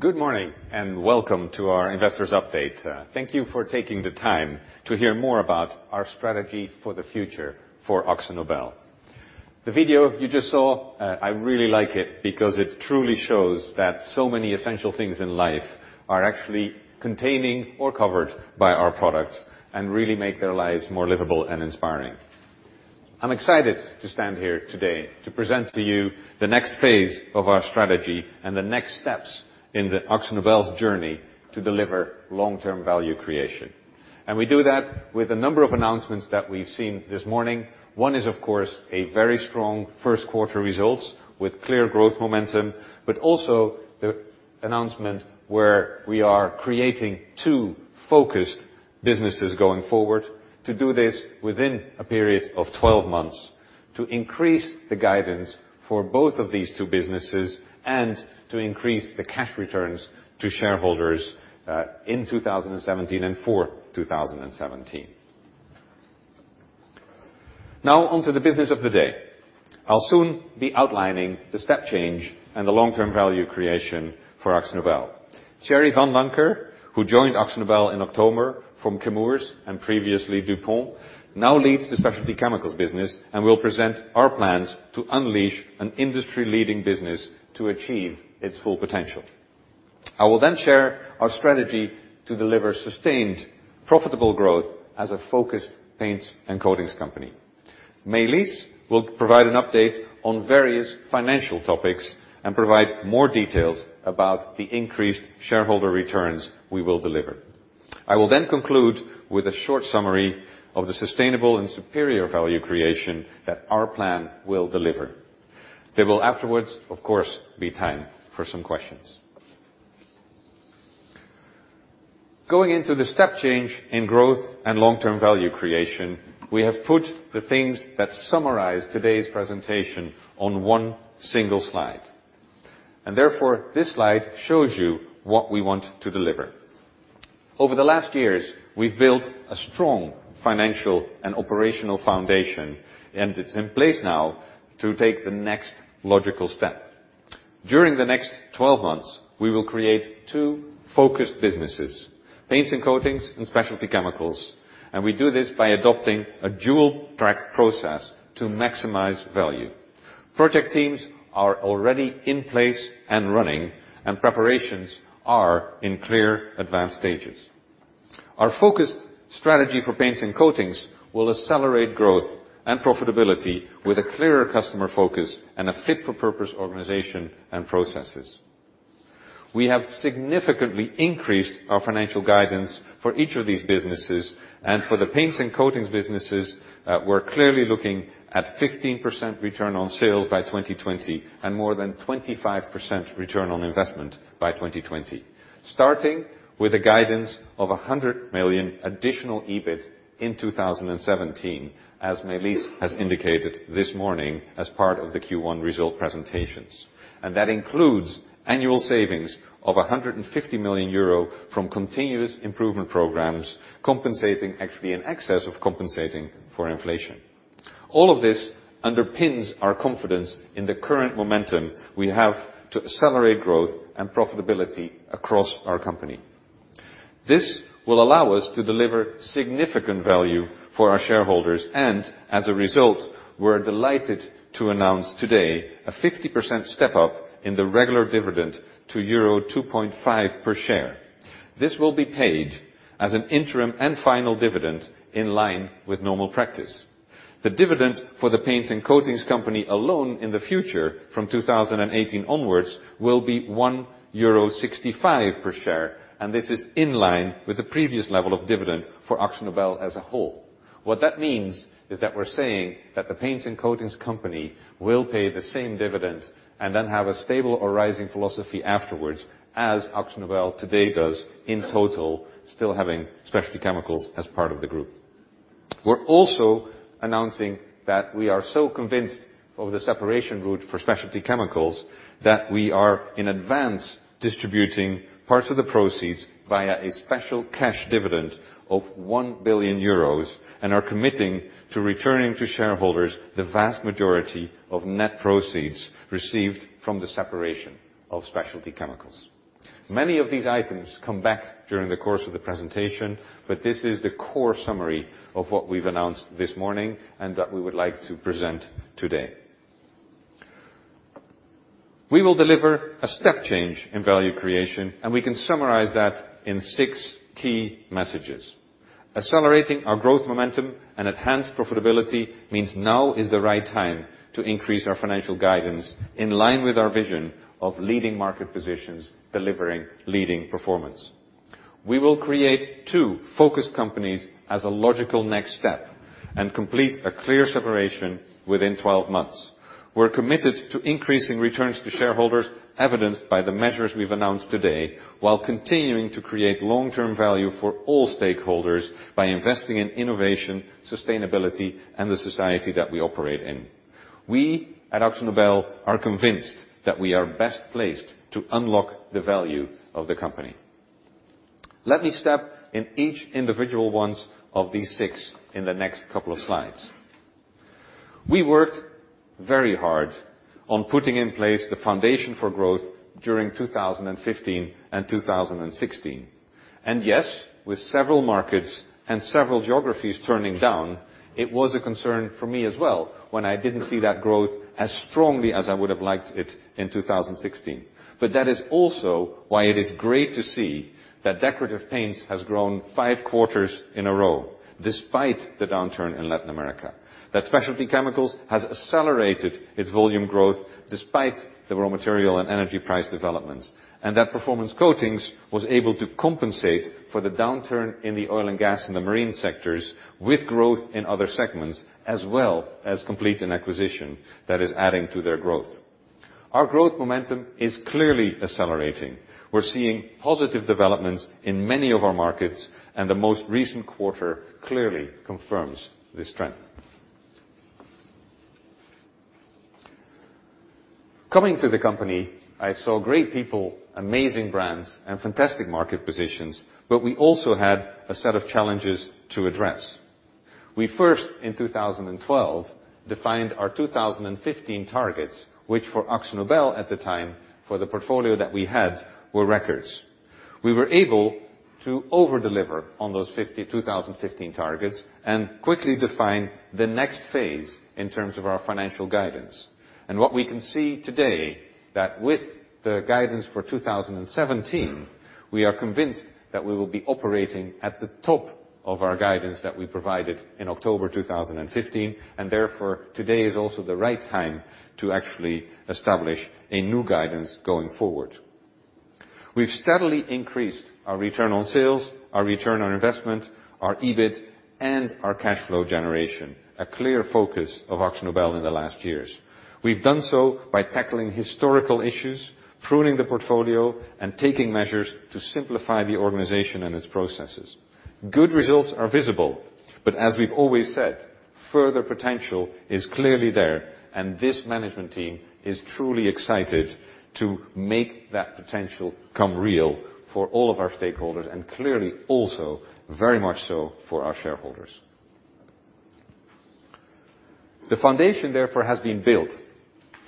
Good morning, and welcome to our investors' update. Thank you for taking the time to hear more about our strategy for the future for AkzoNobel. The video you just saw, I really like it because it truly shows that so many essential things in life are actually containing or covered by our products and really make their lives more livable and inspiring. I'm excited to stand here today to present to you the next phase of our strategy and the next steps in the AkzoNobel's journey to deliver long-term value creation. We do that with a number of announcements we've seen this morning. One is, of course, a very strong first quarter results with clear growth momentum, but also the announcement where we are creating two focused businesses going forward to do this within a period of 12 months, to increase the guidance for both of these two businesses, and to increase the cash returns to shareholders in 2017 and for 2017. On to the business of the day. I'll soon be outlining the step change and the long-term value creation for AkzoNobel. Thierry Vanlancker, who joined AkzoNobel in October from Chemours and previously DuPont, now leads the Specialty Chemicals business and will present our plans to unleash an industry-leading business to achieve its full potential. I will then share our strategy to deliver sustained profitable growth as a focused Paints and Coatings company. Maëlys will provide an update on various financial topics and provide more details about the increased shareholder returns we will deliver. I will then conclude with a short summary of the sustainable and superior value creation that our plan will deliver. There will afterwards, of course, be time for some questions. Going into the step change in growth and long-term value creation, we have put the things that summarize today's presentation on one single slide. Therefore, this slide shows you what we want to deliver. Over the last years, we've built a strong financial and operational foundation, and it's in place now to take the next logical step. During the next 12 months, we will create two focused businesses, Paints and Coatings, and Specialty Chemicals. We do this by adopting a dual-track process to maximize value. Project teams are already in place and running, and preparations are in clear advanced stages. Our focused strategy for Paints and Coatings will accelerate growth and profitability with a clearer customer focus and a fit-for-purpose organization and processes. We have significantly increased our financial guidance for each of these businesses. For the Paints and Coatings businesses, we're clearly looking at 15% return on sales by 2020 and more than 25% return on investment by 2020. Starting with a guidance of 100 million additional EBIT in 2017, as Maëlys has indicated this morning as part of the Q1 result presentations. That includes annual savings of 150 million euro from continuous improvement programs, compensating — actually in excess of compensating for inflation. This underpins our confidence in the current momentum we have to accelerate growth and profitability across our company. This will allow us to deliver significant value for our shareholders. As a result, we're delighted to announce today a 50% step-up in the regular dividend to euro 2.5 per share. This will be paid as an interim and final dividend in line with normal practice. The dividend for the Paints and Coatings company alone in the future from 2018 onwards will be 1.65 euro per share, and this is in line with the previous level of dividend for AkzoNobel as a whole. What that means is that we're saying that the Paints and Coatings company will pay the same dividend and then have a stable or rising philosophy afterwards as AkzoNobel today does in total, still having Specialty Chemicals as part of the group. We're also announcing that we are so convinced of the separation route for Specialty Chemicals that we are in advance distributing parts of the proceeds via a special cash dividend of 1 billion euros. We are committing to returning to shareholders the vast majority of net proceeds received from the separation of Specialty Chemicals. Many of these items come back during the course of the presentation. This is the core summary of what we've announced this morning and that we would like to present today. We will deliver a step change in value creation. We can summarize that in six key messages. Accelerating our growth momentum and enhanced profitability means now is the right time to increase our financial guidance in line with our vision of leading market positions, delivering leading performance. We will create two focused companies as a logical next step and complete a clear separation within 12 months. We're committed to increasing returns to shareholders, evidenced by the measures we've announced today, while continuing to create long-term value for all stakeholders by investing in innovation, sustainability, and the society that we operate in. We at AkzoNobel are convinced that we are best placed to unlock the value of the company. Let me step in each individual ones of these six in the next couple of slides. We worked very hard on putting in place the foundation for growth during 2015 and 2016. Yes, with several markets and several geographies turning down, it was a concern for me as well when I didn't see that growth as strongly as I would have liked it in 2016. That is also why it is great to see that Decorative Paints has grown five quarters in a row, despite the downturn in Latin America. That Specialty Chemicals has accelerated its volume growth despite the raw material and energy price developments. That Performance Coatings was able to compensate for the downturn in the oil and gas and the marine sectors, with growth in other segments, as well as complete an acquisition that is adding to their growth. Our growth momentum is clearly accelerating. We're seeing positive developments in many of our markets. The most recent quarter clearly confirms this trend. Coming to the company, I saw great people, amazing brands, and fantastic market positions. We also had a set of challenges to address. We first, in 2012, defined our 2015 targets, which for AkzoNobel at the time, for the portfolio that we had, were records. We were able to overdeliver on those 2015 targets and quickly define the next phase in terms of our financial guidance. What we can see today, that with the guidance for 2017, we are convinced that we will be operating at the top of our guidance that we provided in October 2015. Therefore, today is also the right time to actually establish a new guidance going forward. We've steadily increased our Return on Sales, our Return on Investment, our EBIT, and our cash flow generation, a clear focus of AkzoNobel in the last years. We've done so by tackling historical issues, pruning the portfolio, and taking measures to simplify the organization and its processes. Good results are visible, as we've always said, further potential is clearly there, this management team is truly excited to make that potential come real for all of our stakeholders, clearly also, very much so for our shareholders. The foundation, therefore, has been built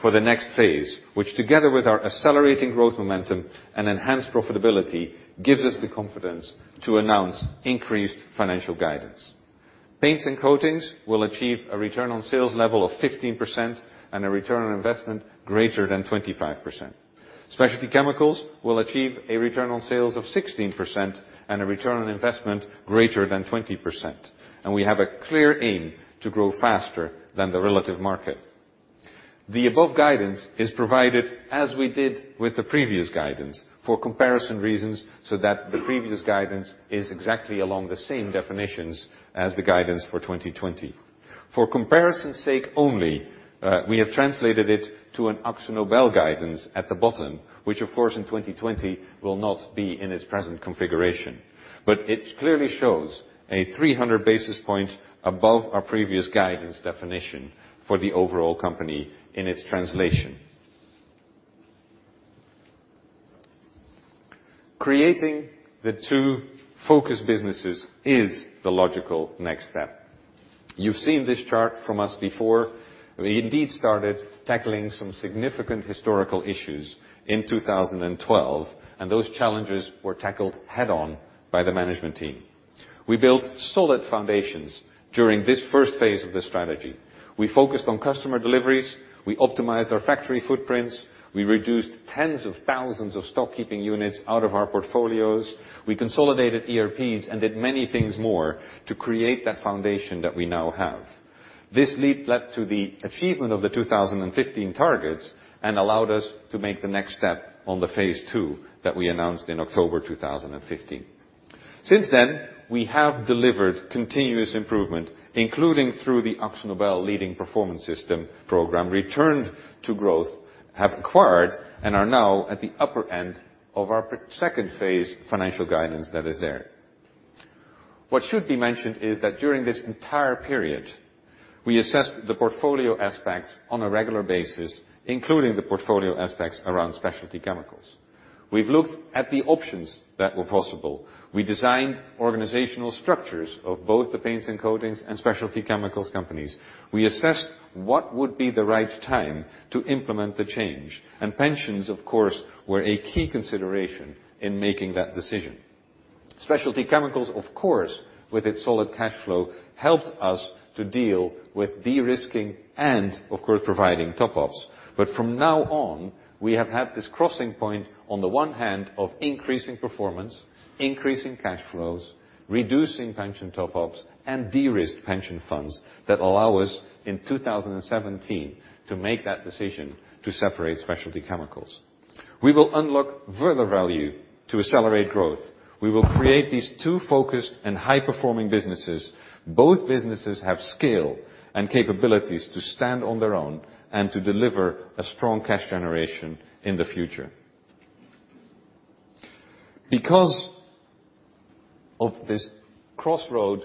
for the next phase, which together with our accelerating growth momentum and enhanced profitability, gives us the confidence to announce increased financial guidance. Paints and Coatings will achieve a Return on Sales level of 15% and a Return on Investment greater than 25%. Specialty Chemicals will achieve a Return on Sales of 16% and a Return on Investment greater than 20%. We have a clear aim to grow faster than the relative market. The above guidance is provided as we did with the previous guidance, for comparison reasons, that the previous guidance is exactly along the same definitions as the guidance for 2020. For comparison's sake only, we have translated it to an AkzoNobel guidance at the bottom, which of course in 2020 will not be in its present configuration. It clearly shows 300 basis points above our previous guidance definition for the overall company in its translation. Creating the two focus businesses is the logical next step. You've seen this chart from us before. We indeed started tackling some significant historical issues in 2012, those challenges were tackled head-on by the management team. We built solid foundations during this first phase of the strategy. We focused on customer deliveries. We optimized our factory footprints. We reduced tens of thousands of stock-keeping units out of our portfolios. We consolidated ERPs and did many things more to create that foundation that we now have. This led to the achievement of the 2015 targets and allowed us to make the next step on the phase two that we announced in October 2015. Since then, we have delivered continuous improvement, including through the AkzoNobel Leading Performance System program, returned to growth, have acquired, are now at the upper end of our second phase financial guidance that is there. What should be mentioned is that during this entire period, we assessed the portfolio aspects on a regular basis, including the portfolio aspects around Specialty Chemicals. We've looked at the options that were possible. We designed organizational structures of both the Paints and Coatings and Specialty Chemicals companies. We assessed what would be the right time to implement the change. Pensions, of course, were a key consideration in making that decision. Specialty Chemicals, of course, with its solid cash flow, helped us to deal with de-risking and of course, providing top-ups. From now on, we have had this crossing point, on the one hand of increasing performance, increasing cash flows, reducing pension top-ups, and de-risked pension funds that allow us, in 2017, to make that decision to separate Specialty Chemicals. We will unlock further value to accelerate growth. We will create these two focused and high-performing businesses. Both businesses have scale and capabilities to stand on their own and to deliver a strong cash generation in the future. Of this crossroad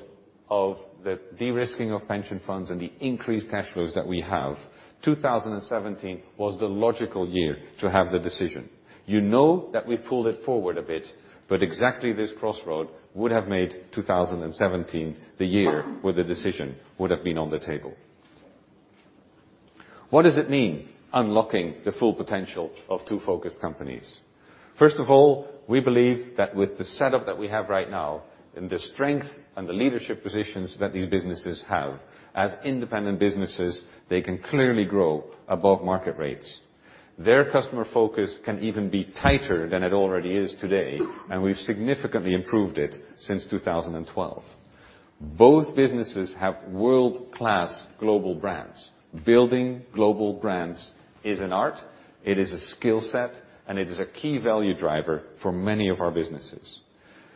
of the de-risking of pension funds and the increased cash flows that we have, 2017 was the logical year to have the decision. You know that we've pulled it forward a bit, exactly this crossroad would have made 2017 the year where the decision would have been on the table. What does it mean, unlocking the full potential of two focused companies? First of all, we believe that with the setup that we have right now, and the strength and the leadership positions that these businesses have, as independent businesses, they can clearly grow above market rates. Their customer focus can even be tighter than it already is today, and we've significantly improved it since 2012. Both businesses have world-class global brands. Building global brands is an art, it is a skill set, and it is a key value driver for many of our businesses.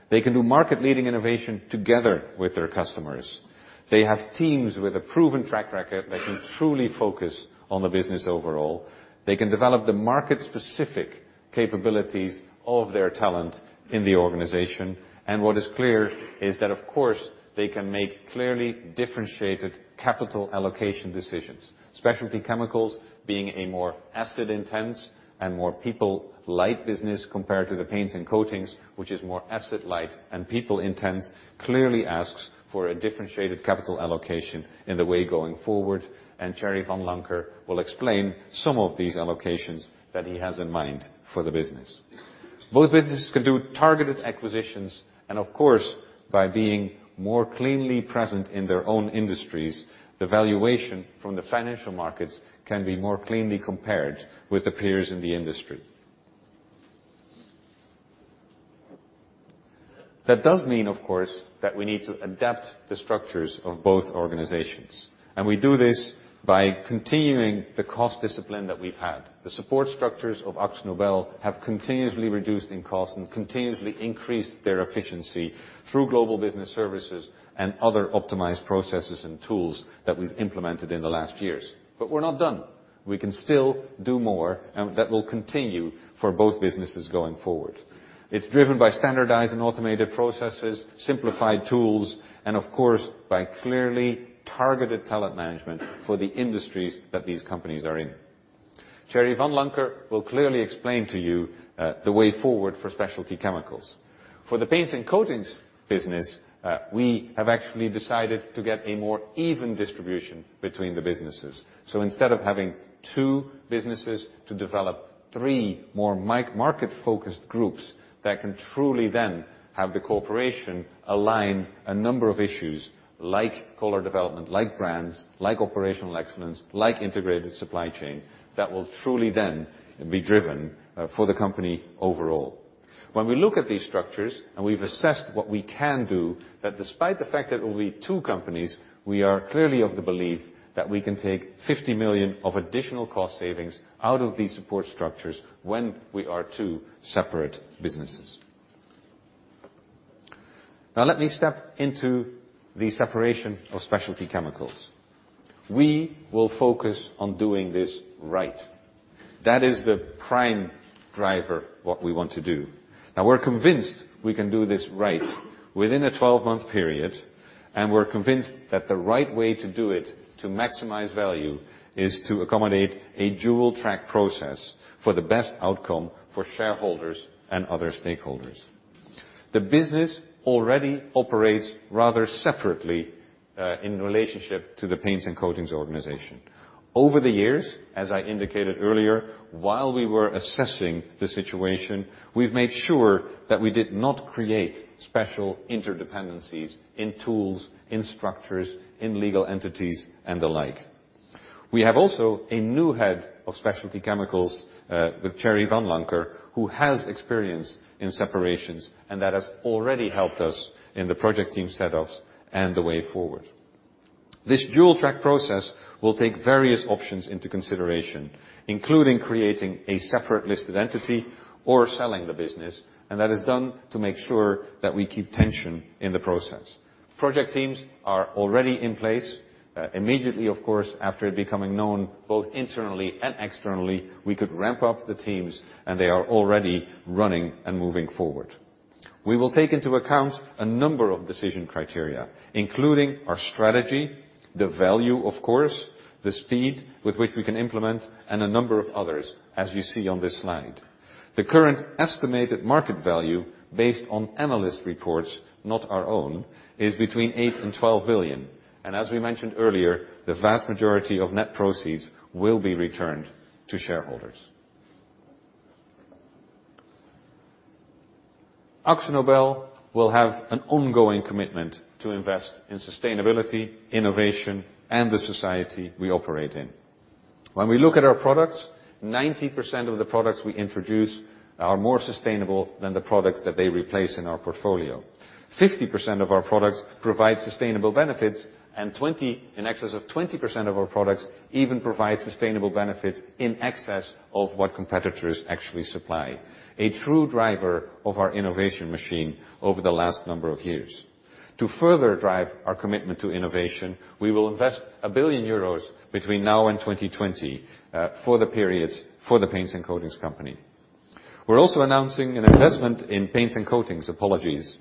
They can do market-leading innovation together with their customers. They have teams with a proven track record that can truly focus on the business overall. They can develop the market specific capabilities of their talent in the organization. What is clear is that, of course, they can make clearly differentiated capital allocation decisions. Specialty Chemicals being a more asset intense and more people light business compared to the Paints and Coatings, which is more asset light and people intense, clearly asks for a differentiated capital allocation in the way going forward. Thierry Vanlancker will explain some of these allocations that he has in mind for the business. Both businesses can do targeted acquisitions and, of course, by being more cleanly present in their own industries, the valuation from the financial markets can be more cleanly compared with the peers in the industry. That does mean, of course, that we need to adapt the structures of both organizations. We do this by continuing the cost discipline that we've had. The support structures of AkzoNobel have continuously reduced in cost and continuously increased their efficiency through Global Business Services and other optimized processes and tools that we've implemented in the last years. We're not done. We can still do more, and that will continue for both businesses going forward. It's driven by standardized and automated processes, simplified tools, and of course, by clearly targeted talent management for the industries that these companies are in. Thierry Vanlancker will clearly explain to you the way forward for Specialty Chemicals. For the Paints and Coatings business, we have actually decided to get a more even distribution between the businesses. Instead of having two businesses, to develop three more market-focused groups that can truly then have the corporation align a number of issues like Color development, like brands, like operational excellence, like integrated supply chain, that will truly then be driven for the company overall. When we look at these structures and we've assessed what we can do, that despite the fact that it will be two companies, we are clearly of the belief that we can take 50 million of additional cost savings out of these support structures when we are two separate businesses. Let me step into the separation of Specialty Chemicals. We will focus on doing this right. That is the prime driver, what we want to do. We're convinced we can do this right within a 12-month period, and we're convinced that the right way to do it, to maximize value, is to accommodate a dual-track process for the best outcome for shareholders and other stakeholders. The business already operates rather separately in relationship to the Paints and Coatings organization. Over the years, as I indicated earlier, while we were assessing the situation, we've made sure that we did not create special interdependencies in tools, in structures, in legal entities, and the like. We have also a new head of Specialty Chemicals with Thierry Vanlancker, who has experience in separations and that has already helped us in the project team setups and the way forward. This dual-track process will take various options into consideration, including creating a separate listed entity or selling the business, that is done to make sure that we keep tension in the process. Project teams are already in place. Immediately, of course, after it becoming known both internally and externally, we could ramp up the teams, and they are already running and moving forward. We will take into account a number of decision criteria, including our strategy, the value of course, the speed with which we can implement, and a number of others as you see on this slide. The current estimated market value based on analyst reports, not our own, is between $8 and $12 billion. As we mentioned earlier, the vast majority of net proceeds will be returned to shareholders. AkzoNobel will have an ongoing commitment to invest in sustainability, innovation, and the society we operate in. When we look at our products, 90% of the products we introduce are more sustainable than the products that they replace in our portfolio. 50% of our products provide sustainable benefits, and in excess of 20% of our products even provide sustainable benefits in excess of what competitors actually supply. A true driver of our innovation machine over the last number of years. To further drive our commitment to innovation, we will invest 1 billion euros between now and 2020 for the period for the Paints and Coatings company. We're also announcing an investment in Paints and Coatings, apologies,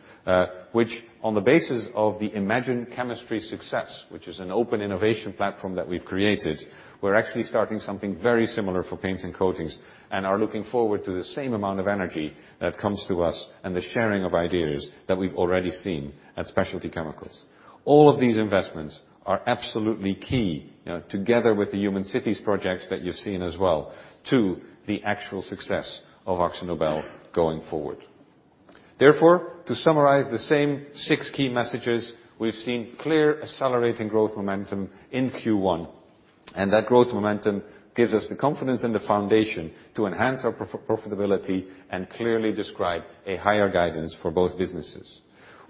which on the basis of the Imagine Chemistry success, which is an open innovation platform that we've created, we're actually starting something very similar for Paints and Coatings and are looking forward to the same amount of energy that comes to us and the sharing of ideas that we've already seen at Specialty Chemicals. All of these investments are absolutely key, together with the Human Cities projects that you've seen as well, to the actual success of AkzoNobel going forward. Therefore, to summarize the same six key messages, we've seen clear accelerating growth momentum in Q1, and that growth momentum gives us the confidence and the foundation to enhance our profitability and clearly describe a higher guidance for both businesses.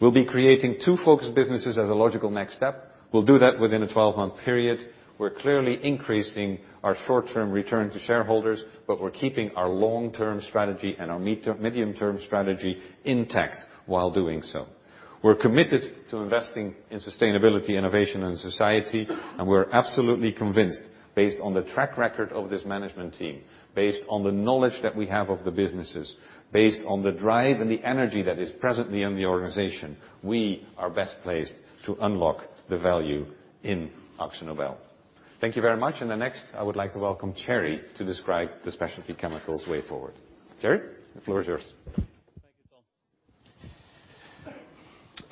We'll be creating two focused businesses as a logical next step. We'll do that within a 12-month period. We're clearly increasing our short-term return to shareholders, but we're keeping our long-term strategy and our medium-term strategy intact while doing so. We're committed to investing in sustainability, innovation, and society, and we're absolutely convinced, based on the track record of this management team, based on the knowledge that we have of the businesses, based on the drive and the energy that is presently in the organization, we are best placed to unlock the value in AkzoNobel. Thank you very much. Next, I would like to welcome Thierry to describe the Specialty Chemicals way forward. Thierry, the floor is yours.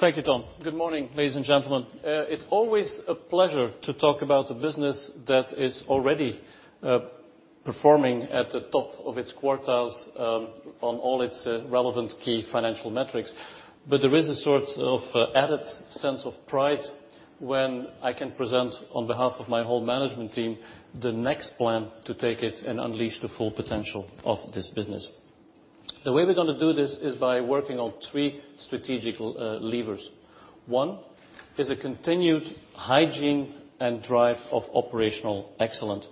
Thank you, Ton. Good morning, ladies and gentlemen. It's always a pleasure to talk about a business that is already performing at the top of its quartiles on all its relevant key financial metrics. There is a sort of added sense of pride when I can present, on behalf of my whole management team, the next plan to take it and unleash the full potential of this business. The way we're going to do this is by working on three strategical levers. One is a continued hygiene and drive of operational excellence.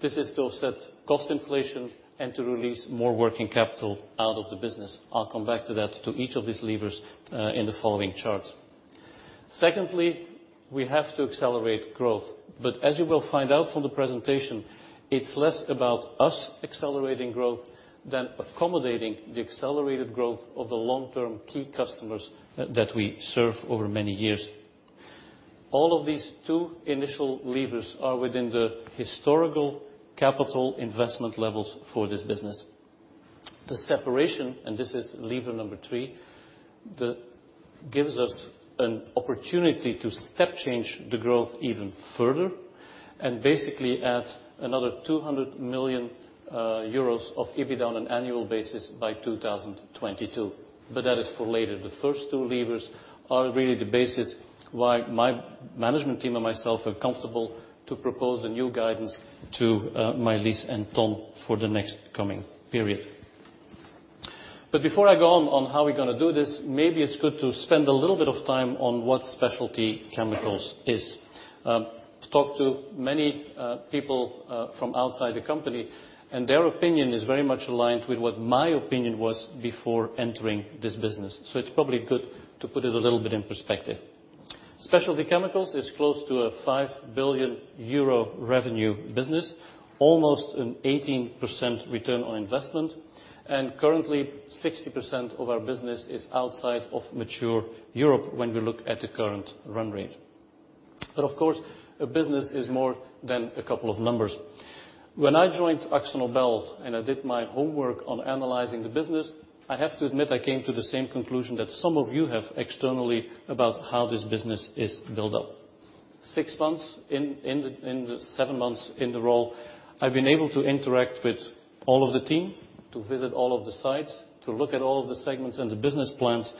This is to offset cost inflation and to release more working capital out of the business. I'll come back to that, to each of these levers, in the following charts. Secondly, we have to accelerate growth. As you will find out from the presentation, it's less about us accelerating growth than accommodating the accelerated growth of the long-term key customers that we serve over many years. All of these two initial levers are within the historical capital investment levels for this business. The separation, and this is lever number 3, gives us an opportunity to step change the growth even further and basically adds another 200 million euros of EBITDA on an annual basis by 2022. That is for later. The first two levers are really the basis why my management team and myself are comfortable to propose the new guidance to Maëlys and Ton for the next coming period. Before I go on how we're going to do this, maybe it's good to spend a little bit of time on what Specialty Chemicals is. I've talked to many people from outside the company, and their opinion is very much aligned with what my opinion was before entering this business. It's probably good to put it a little bit in perspective. Specialty Chemicals is close to a 5 billion euro revenue business, almost an 18% return on investment, and currently 60% of our business is outside of mature Europe when we look at the current run rate. Of course, a business is more than a couple of numbers. When I joined AkzoNobel and I did my homework on analyzing the business, I have to admit, I came to the same conclusion that some of you have externally about how this business is built up. Seven months in the role, I've been able to interact with all of the team, to visit all of the sites, to look at all of the segments and the business plans,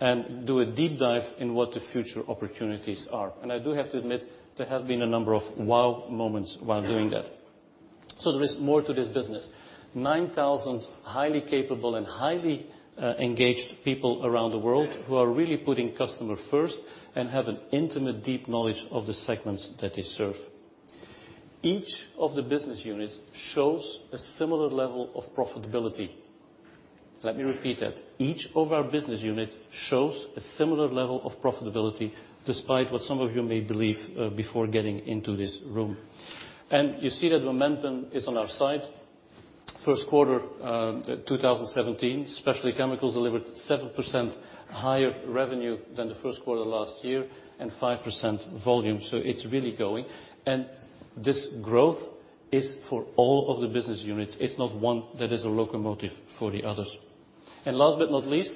and do a deep dive in what the future opportunities are. I do have to admit, there have been a number of wow moments while doing that. There is more to this business. 9,000 highly capable and highly engaged people around the world who are really putting customer first and have an intimate, deep knowledge of the segments that they serve. Each of the business units shows a similar level of profitability. Let me repeat that. Each of our business unit shows a similar level of profitability, despite what some of you may believe before getting into this room. You see that momentum is on our side. First quarter 2017, Specialty Chemicals delivered 7% higher revenue than the first quarter last year and 5% volume. It's really going. This growth is for all of the business units. It's not one that is a locomotive for the others. Last but not least,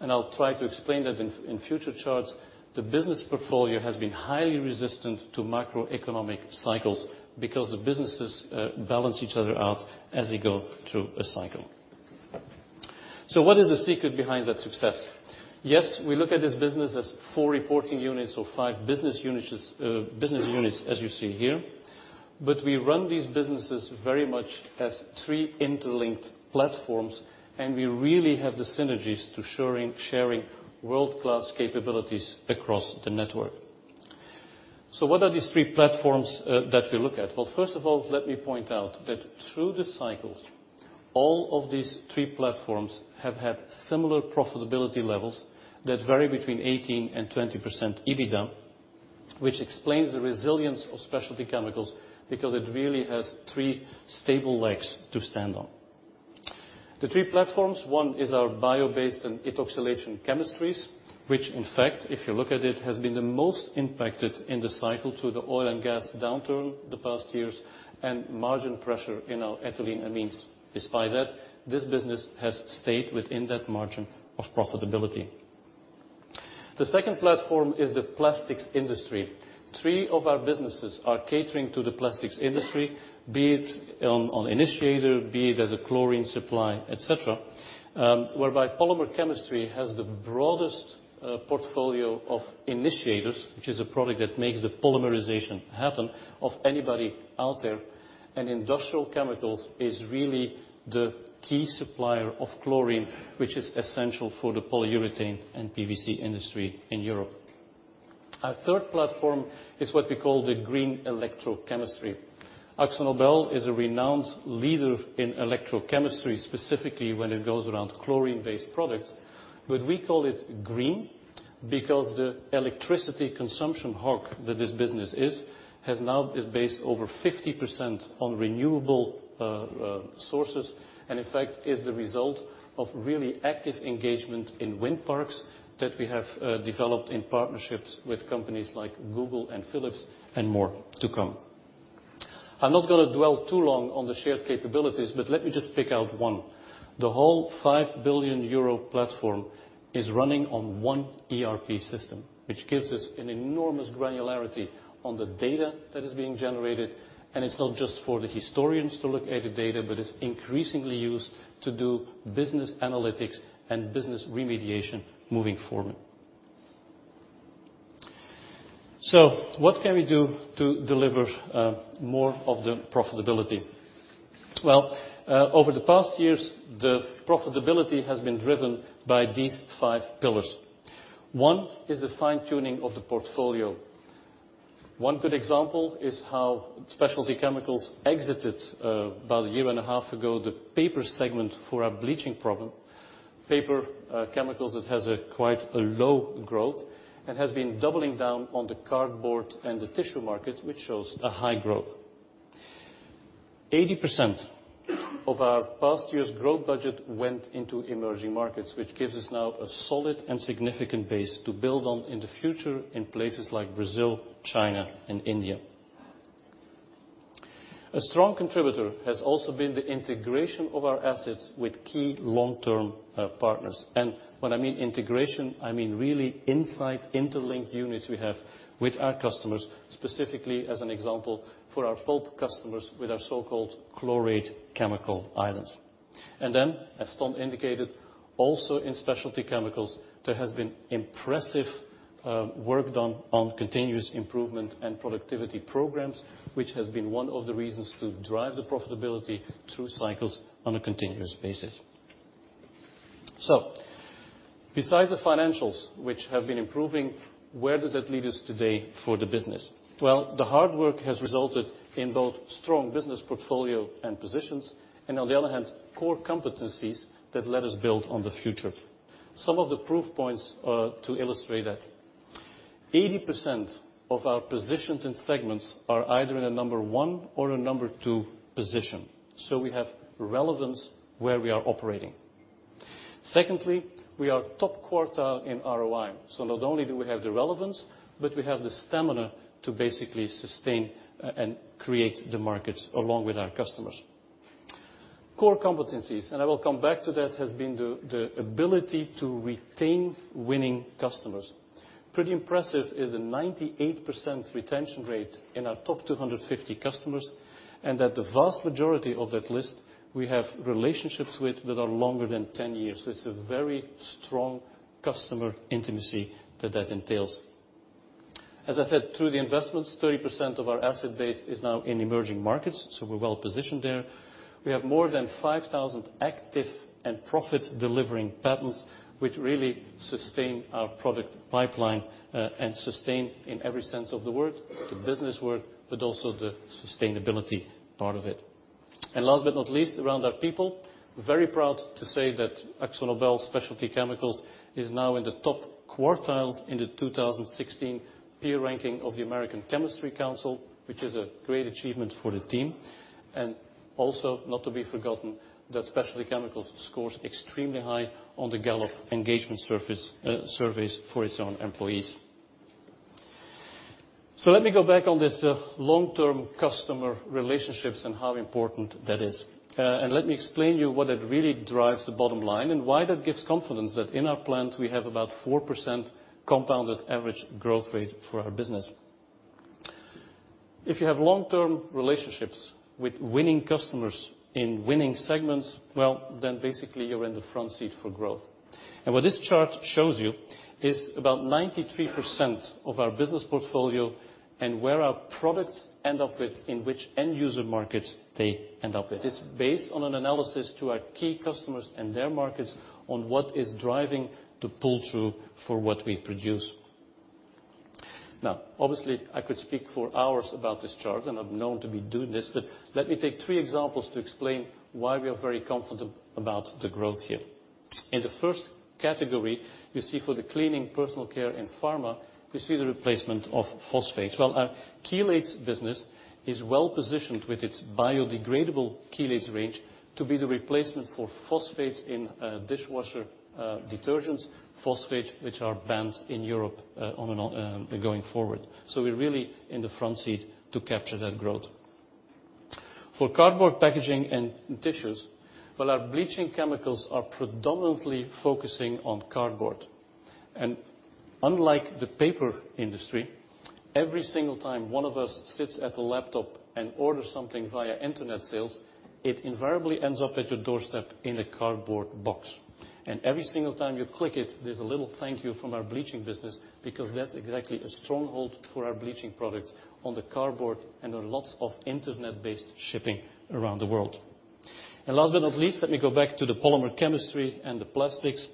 and I'll try to explain that in future charts, the business portfolio has been highly resistant to macroeconomic cycles because the businesses balance each other out as you go through a cycle. What is the secret behind that success? Yes, we look at this business as four reporting units or five business units as you see here, but we run these businesses very much as three interlinked platforms, and we really have the synergies to sharing world-class capabilities across the network. What are these three platforms that we look at? Well, first of all, let me point out that through the cycles, all of these three platforms have had similar profitability levels that vary between 18%-20% EBITDA, which explains the resilience of Specialty Chemicals because it really has three stable legs to stand on. The three platforms, one is our bio-based and ethoxylation chemistries, which in fact, if you look at it, has been the most impacted in the cycle through the oil and gas downturn the past years and margin pressure in our ethylene amines. Despite that, this business has stayed within that margin of profitability. The second platform is the plastics industry. Three of our businesses are catering to the plastics industry, be it on initiator, be it as a chlorine supply, et cetera. Whereby Polymer Chemistry has the broadest portfolio of initiators, which is a product that makes the polymerization happen, of anybody out there. Industrial Chemicals is really the key supplier of chlorine, which is essential for the polyurethane and PVC industry in Europe. Our third platform is what we call the green electrochemistry. AkzoNobel is a renowned leader in electrochemistry, specifically when it goes around chlorine-based products. We call it green because the electricity consumption hog that this business is, now is based over 50% on renewable sources, and in fact is the result of really active engagement in wind farms that we have developed in partnerships with companies like Google and Philips, and more to come. I'm not going to dwell too long on the shared capabilities, but let me just pick out one. The whole 5 billion euro platform is running on one ERP system, which gives us an enormous granularity on the data that is being generated, and it's not just for the historians to look at the data, but it's increasingly used to do business analytics and business remediation moving forward. What can we do to deliver more of the profitability? Well, over the past years, the profitability has been driven by these five pillars. One is the fine-tuning of the portfolio. One good example is how Specialty Chemicals exited, about a year and a half ago, the paper segment for our bleaching chemicals. Paper chemicals, it has a quite a low growth and has been doubling down on the cardboard and the tissue market, which shows a high growth. 80% of our past year's growth budget went into emerging markets, which gives us now a solid and significant base to build on in the future in places like Brazil, China, and India. A strong contributor has also been the integration of our assets with key long-term partners. When I mean integration, I mean really inside interlinked units we have with our customers, specifically as an example, for our pulp customers with our so-called chlorate Chemical Islands. Then, as Ton indicated, also in Specialty Chemicals, there has been impressive work done on continuous improvement and productivity programs, which has been one of the reasons to drive the profitability through cycles on a continuous basis. Besides the financials, which have been improving, where does that leave us today for the business? Well, the hard work has resulted in both strong business portfolio and positions, and on the other hand, core competencies that let us build on the future. Some of the proof points to illustrate that. 80% of our positions in segments are either in a number one or a number two position. We have relevance where we are operating. Secondly, we are top quartile in ROI. Not only do we have the relevance, but we have the stamina to basically sustain and create the markets along with our customers. Core competencies, and I will come back to that, has been the ability to retain winning customers. Pretty impressive is the 98% retention rate in our top 250 customers, and that the vast majority of that list we have relationships with that are longer than 10 years. This is very strong customer intimacy that entails. As I said, through the investments, 30% of our asset base is now in emerging markets, so we're well positioned there. We have more than 5,000 active and profit-delivering patents, which really sustain our product pipeline, and sustain in every sense of the word, the business word, but also the sustainability part of it. Last but not least, around our people, very proud to say that AkzoNobel Specialty Chemicals is now in the top quartile in the 2016 peer ranking of the American Chemistry Council, which is a great achievement for the team. Also, not to be forgotten, that Specialty Chemicals scores extremely high on the Gallup engagement surveys for its own employees. Let me go back on this long-term customer relationships and how important that is. Let me explain you what it really drives the bottom line and why that gives confidence that in our plans we have about 4% compounded average growth rate for our business. If you have long-term relationships with winning customers in winning segments, well, then basically you're in the front seat for growth. What this chart shows you is about 93% of our business portfolio and where our products end up with, in which end user markets they end up with. It's based on an analysis to our key customers and their markets on what is driving the pull-through for what we produce. Now, obviously, I could speak for hours about this chart, and I'm known to be doing this, but let me take three examples to explain why we are very confident about the growth here. In the first category, you see for the cleaning, personal care, and pharma, you see the replacement of phosphate. Well, our chelates business is well-positioned with its biodegradable chelates range to be the replacement for phosphates in dishwasher detergents. Phosphate, which are banned in Europe going forward. We're really in the front seat to capture that growth. For cardboard packaging and tissues, while our bleaching chemicals are predominantly focusing on cardboard. Unlike the paper industry, every single time one of us sits at a laptop and order something via internet sales, it invariably ends up at your doorstep in a cardboard box. Every single time you click it, there's a little thank you from our bleaching business because that's exactly a stronghold for our bleaching product on the cardboard and there are lots of internet-based shipping around the world. Last but not least, let me go back to the Polymer Chemistry and the plastics.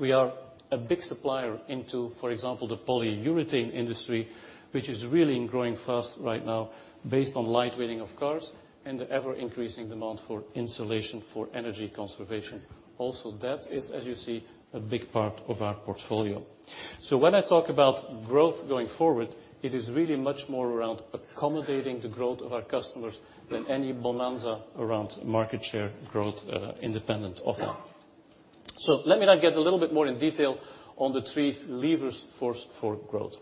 We are a big supplier into, for example, the polyurethane industry, which is really growing fast right now based on lightweighting of cars and the ever-increasing demand for insulation for energy conservation. Also, that is, as you see, a big part of our portfolio. When I talk about growth going forward, it is really much more around accommodating the growth of our customers than any bonanza around market share growth independent of that. Let me now get a little bit more in detail on the three levers for growth.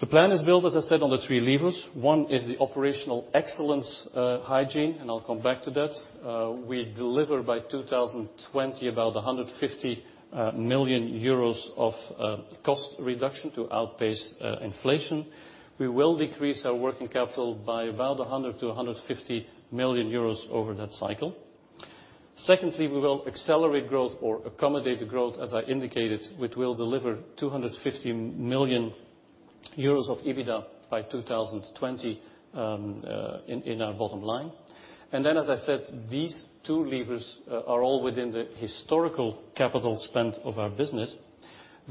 The plan is built, as I said, on the three levers. One is the operational excellence hygiene, and I'll come back to that. We deliver by 2020 about 150 million euros of cost reduction to outpace inflation. We will decrease our working capital by about 100 million-150 million euros over that cycle. Secondly, we will accelerate growth or accommodate the growth, as I indicated, which will deliver 250 million euros of EBITDA by 2020 in our bottom line. Then, as I said, these two levers are all within the historical capital spend of our business.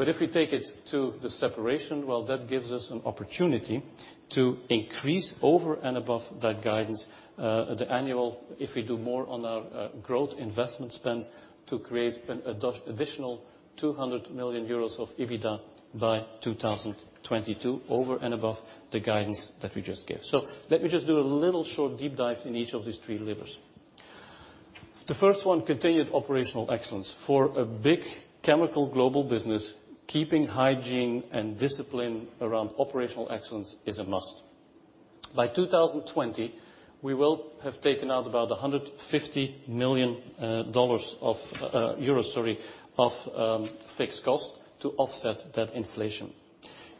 If we take it to the separation, well, that gives us an opportunity to increase over and above that guidance, the annual, if we do more on our growth investment spend to create an additional 200 million euros of EBITDA by 2022, over and above the guidance that we just gave. Let me just do a little short deep dive in each of these three levers. The first one, continued operational excellence. For a big chemical global business, keeping hygiene and discipline around operational excellence is a must. By 2020, we will have taken out about EUR 150 million of fixed cost to offset that inflation.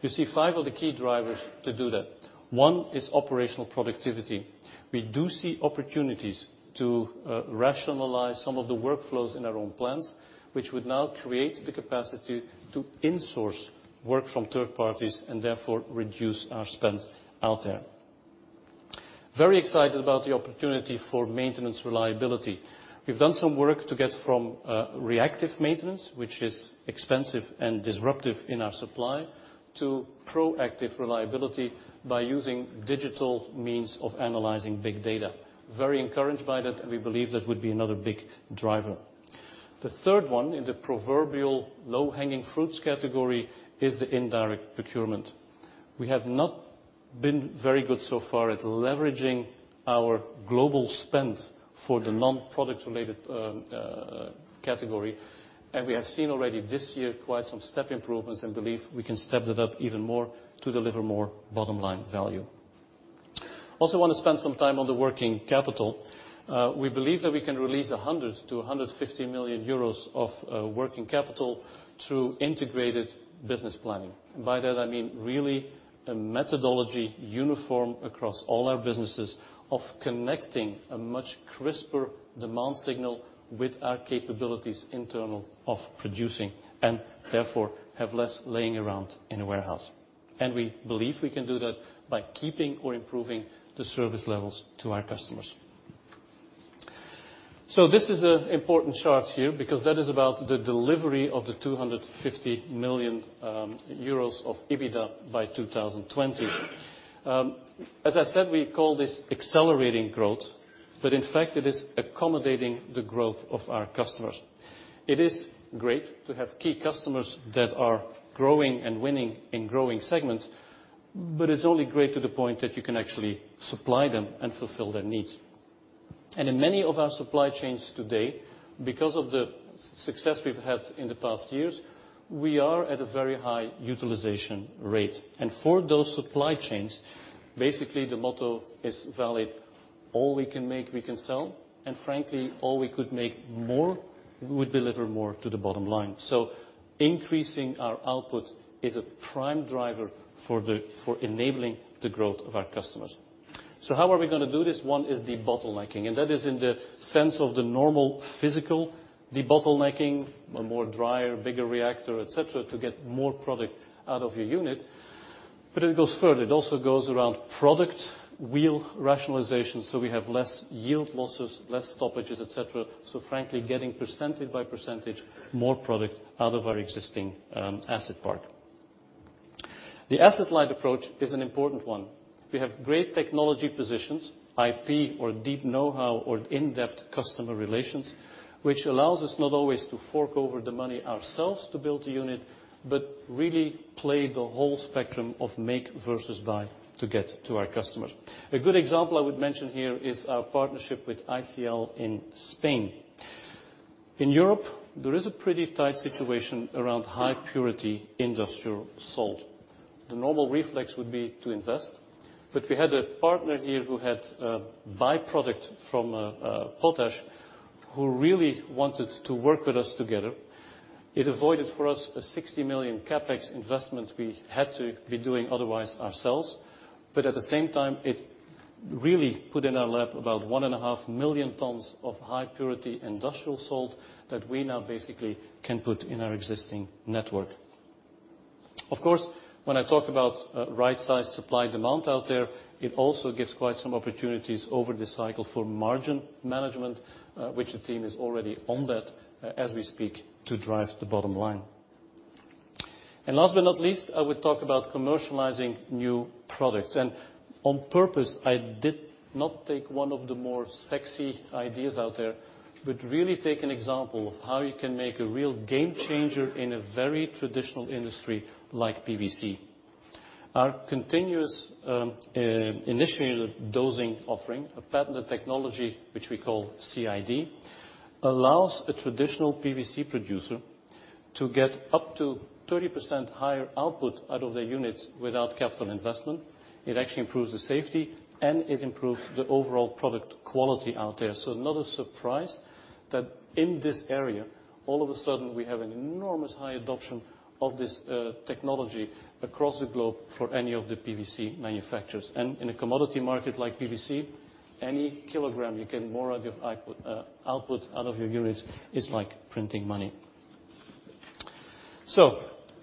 You see five of the key drivers to do that. One is operational productivity. We do see opportunities to rationalize some of the workflows in our own plants, which would now create the capacity to insource work from third parties and therefore reduce our spend out there. Very excited about the opportunity for maintenance reliability. We've done some work to get from reactive maintenance, which is expensive and disruptive in our supply, to proactive reliability by using digital means of analyzing big data. Very encouraged by that, and we believe that would be another big driver. The third one in the proverbial low-hanging fruits category is the indirect procurement. We have not been very good so far at leveraging our global spend for the non-product related category. We have seen already this year quite some step improvements and believe we can step that up even more to deliver more bottom-line value. Also want to spend some time on the working capital. We believe that we can release 100 million-150 million euros of working capital through integrated business planning. By that I mean really a methodology uniform across all our businesses of connecting a much crisper demand signal with our capabilities internal of producing and therefore have less laying around in a warehouse. We believe we can do that by keeping or improving the service levels to our customers. This is an important chart here because that is about the delivery of the 250 million euros of EBITDA by 2020. As I said, we call this accelerating growth. In fact it is accommodating the growth of our customers. It is great to have key customers that are growing and winning in growing segments, but it's only great to the point that you can actually supply them and fulfill their needs. In many of our supply chains today, because of the success we've had in the past years, we are at a very high utilization rate. For those supply chains, basically the motto is valid, all we can make we can sell, and frankly, all we could make more would deliver more to the bottom line. Increasing our output is a prime driver for enabling the growth of our customers. How are we going to do this? One is debottlenecking, and that is in the sense of the normal physical debottlenecking, a more drier, bigger reactor, et cetera, to get more product out of your unit. It goes further. It also goes around product wheel rationalization, so we have less yield losses, less stoppages, et cetera. Frankly, getting percentage by percentage more product out of our existing asset park. The asset-light approach is an important one. We have great technology positions, IP, or deep knowhow, or in-depth customer relations, which allows us not always to fork over the money ourselves to build a unit, but really play the whole spectrum of make versus buy to get to our customers. A good example I would mention here is our partnership with ICL in Spain. In Europe, there is a pretty tight situation around high purity industrial salt. The normal reflex would be to invest, we had a partner here who had a byproduct from potash who really wanted to work with us together. It avoided for us a 60 million CapEx investment we had to be doing otherwise ourselves, at the same time, it really put in our lap about one and a half million tons of high purity industrial salt that we now basically can put in our existing network. Of course, when I talk about right-size supply demand out there, it also gives quite some opportunities over the cycle for margin management, which the team is already on that as we speak to drive the bottom line. Last but not least, I would talk about commercializing new products. On purpose, I did not take one of the more sexy ideas out there, but really take an example of how you can make a real game changer in a very traditional industry like PVC. Our Continuous Initiator Dosing offering, a patented technology which we call CID, allows a traditional PVC producer to get up to 30% higher output out of their units without capital investment. It actually improves the safety, and it improves the overall product quality out there. Not a surprise that in this area, all of a sudden we have an enormous high adoption of this technology across the globe for any of the PVC manufacturers. In a commodity market like PVC, any kilogram you can more out of output out of your units is like printing money.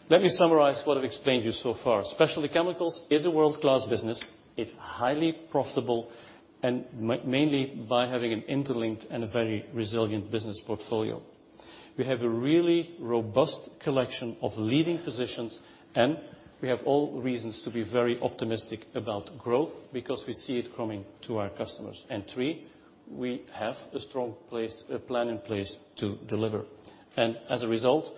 Let me summarize what I've explained you so far. Specialty Chemicals is a world-class business. It's highly profitable, mainly by having an interlinked and a very resilient business portfolio. We have a really robust collection of leading positions, we have all reasons to be very optimistic about growth because we see it coming to our customers. Three, we have a strong plan in place to deliver. As a result,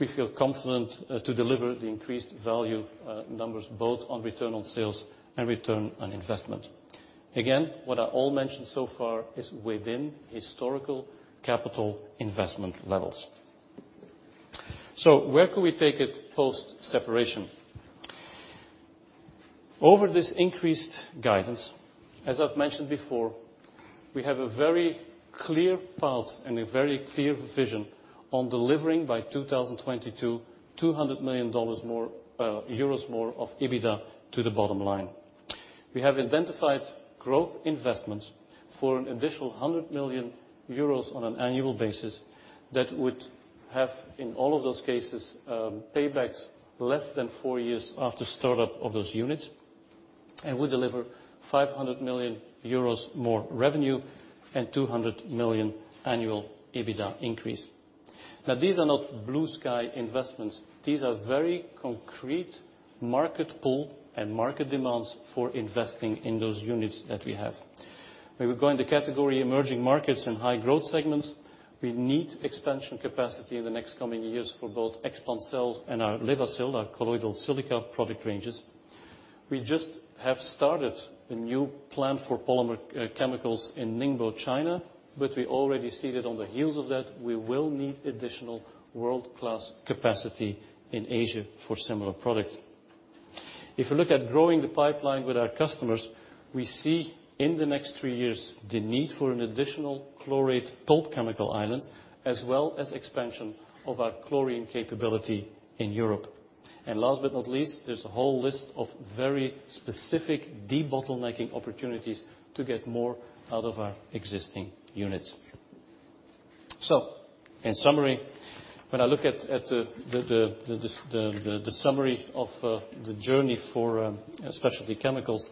we feel confident to deliver the increased value numbers, both on return on sales and return on investment. Again, what I all mentioned so far is within historical capital investment levels. Where can we take it post-separation? Over this increased guidance, as I've mentioned before, we have a very clear path and a very clear vision on delivering by 2022, EUR 200 million more of EBITDA to the bottom line. We have identified growth investments for an additional 100 million euros on an annual basis that would have, in all of those cases, paybacks less than four years after startup of those units and would deliver 500 million euros more revenue and 200 million annual EBITDA increase. These are not blue sky investments. These are very concrete market pull and market demands for investing in those units that we have. When we go in the category emerging markets and high growth segments, we need expansion capacity in the next coming years for both Expancel and our Levasil, our colloidal silica product ranges. We just have started a new plant for polymer chemicals in Ningbo, China, but we already see that on the heels of that, we will need additional world-class capacity in Asia for similar products. If you look at growing the pipeline with our customers, we see in the next three years the need for an additional chlorate total chemical island, as well as expansion of our chlorine capability in Europe. Last but not least, there's a whole list of very specific debottlenecking opportunities to get more out of our existing units. In summary, when I look at the summary of the journey for Specialty Chemicals,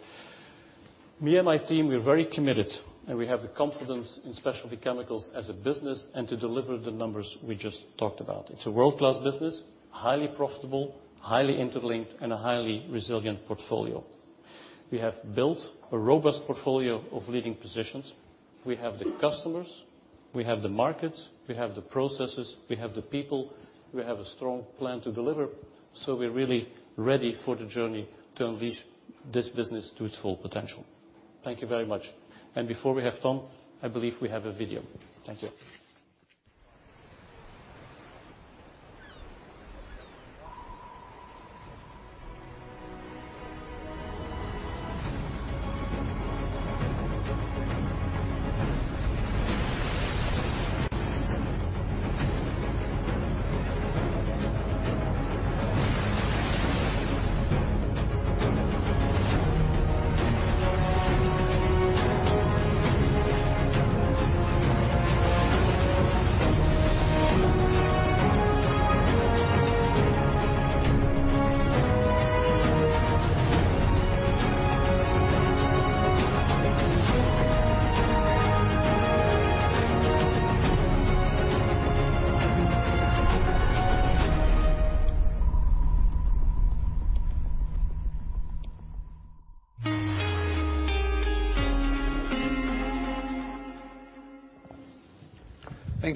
me and my team, we're very committed and we have the confidence in Specialty Chemicals as a business and to deliver the numbers we just talked about. It's a world-class business, highly profitable, highly interlinked, and a highly resilient portfolio. We have built a robust portfolio of leading positions. We have the customers, we have the markets, we have the processes, we have the people. We have a strong plan to deliver, we're really ready for the journey to unleash this business to its full potential. Thank you very much. Before we have Ton, I believe we have a video. Thank you.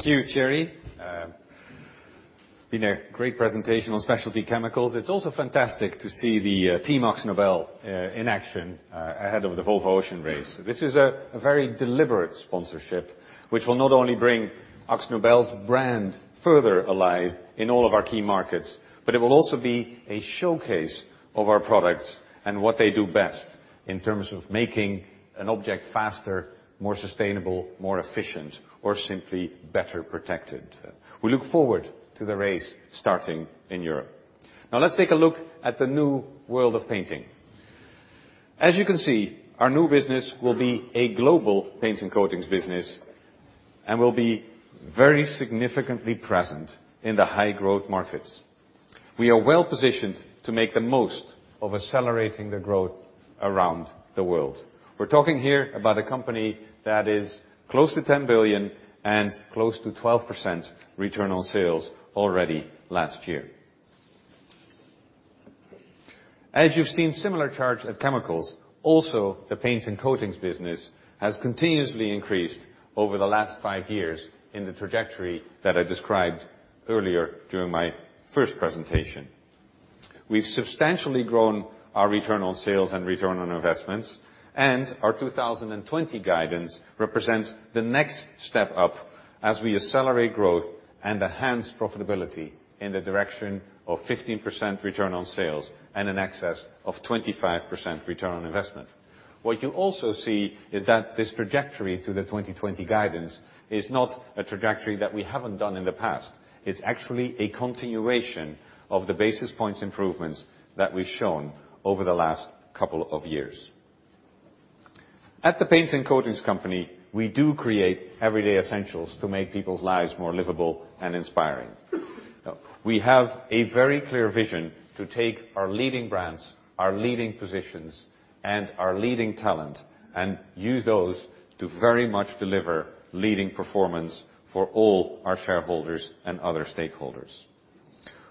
Thank you, Thierry. It's been a great presentation on Specialty Chemicals. It's also fantastic to see the team AkzoNobel in action ahead of the Volvo Ocean Race. This is a very deliberate sponsorship, which will not only bring AkzoNobel's brand further alive in all of our key markets, but it will also be a showcase of our products and what they do best in terms of making an object faster, more sustainable, more efficient, or simply better protected. We look forward to the race starting in Europe. Let's take a look at the new world of painting. As you can see, our new business will be a global Paints and Coatings business, will be very significantly present in the high growth markets. We are well-positioned to make the most of accelerating the growth around the world. We're talking here about a company that is close to 10 billion and close to 12% return on sales already last year. As you've seen similar charts at Specialty Chemicals, also the Paints and Coatings business has continuously increased over the last five years in the trajectory that I described earlier during my first presentation. We've substantially grown our return on sales and return on investments, and our 2020 guidance represents the next step up as we accelerate growth and enhance profitability in the direction of 15% return on sales and in excess of 25% return on investment. What you also see is that this trajectory to the 2020 guidance is not a trajectory that we haven't done in the past. It's actually a continuation of the basis points improvements that we've shown over the last couple of years. At the Paints and Coatings company, we do create everyday essentials to make people's lives more livable and inspiring. We have a very clear vision to take our leading brands, our leading positions, and our leading talent, and use those to very much deliver leading performance for all our shareholders and other stakeholders.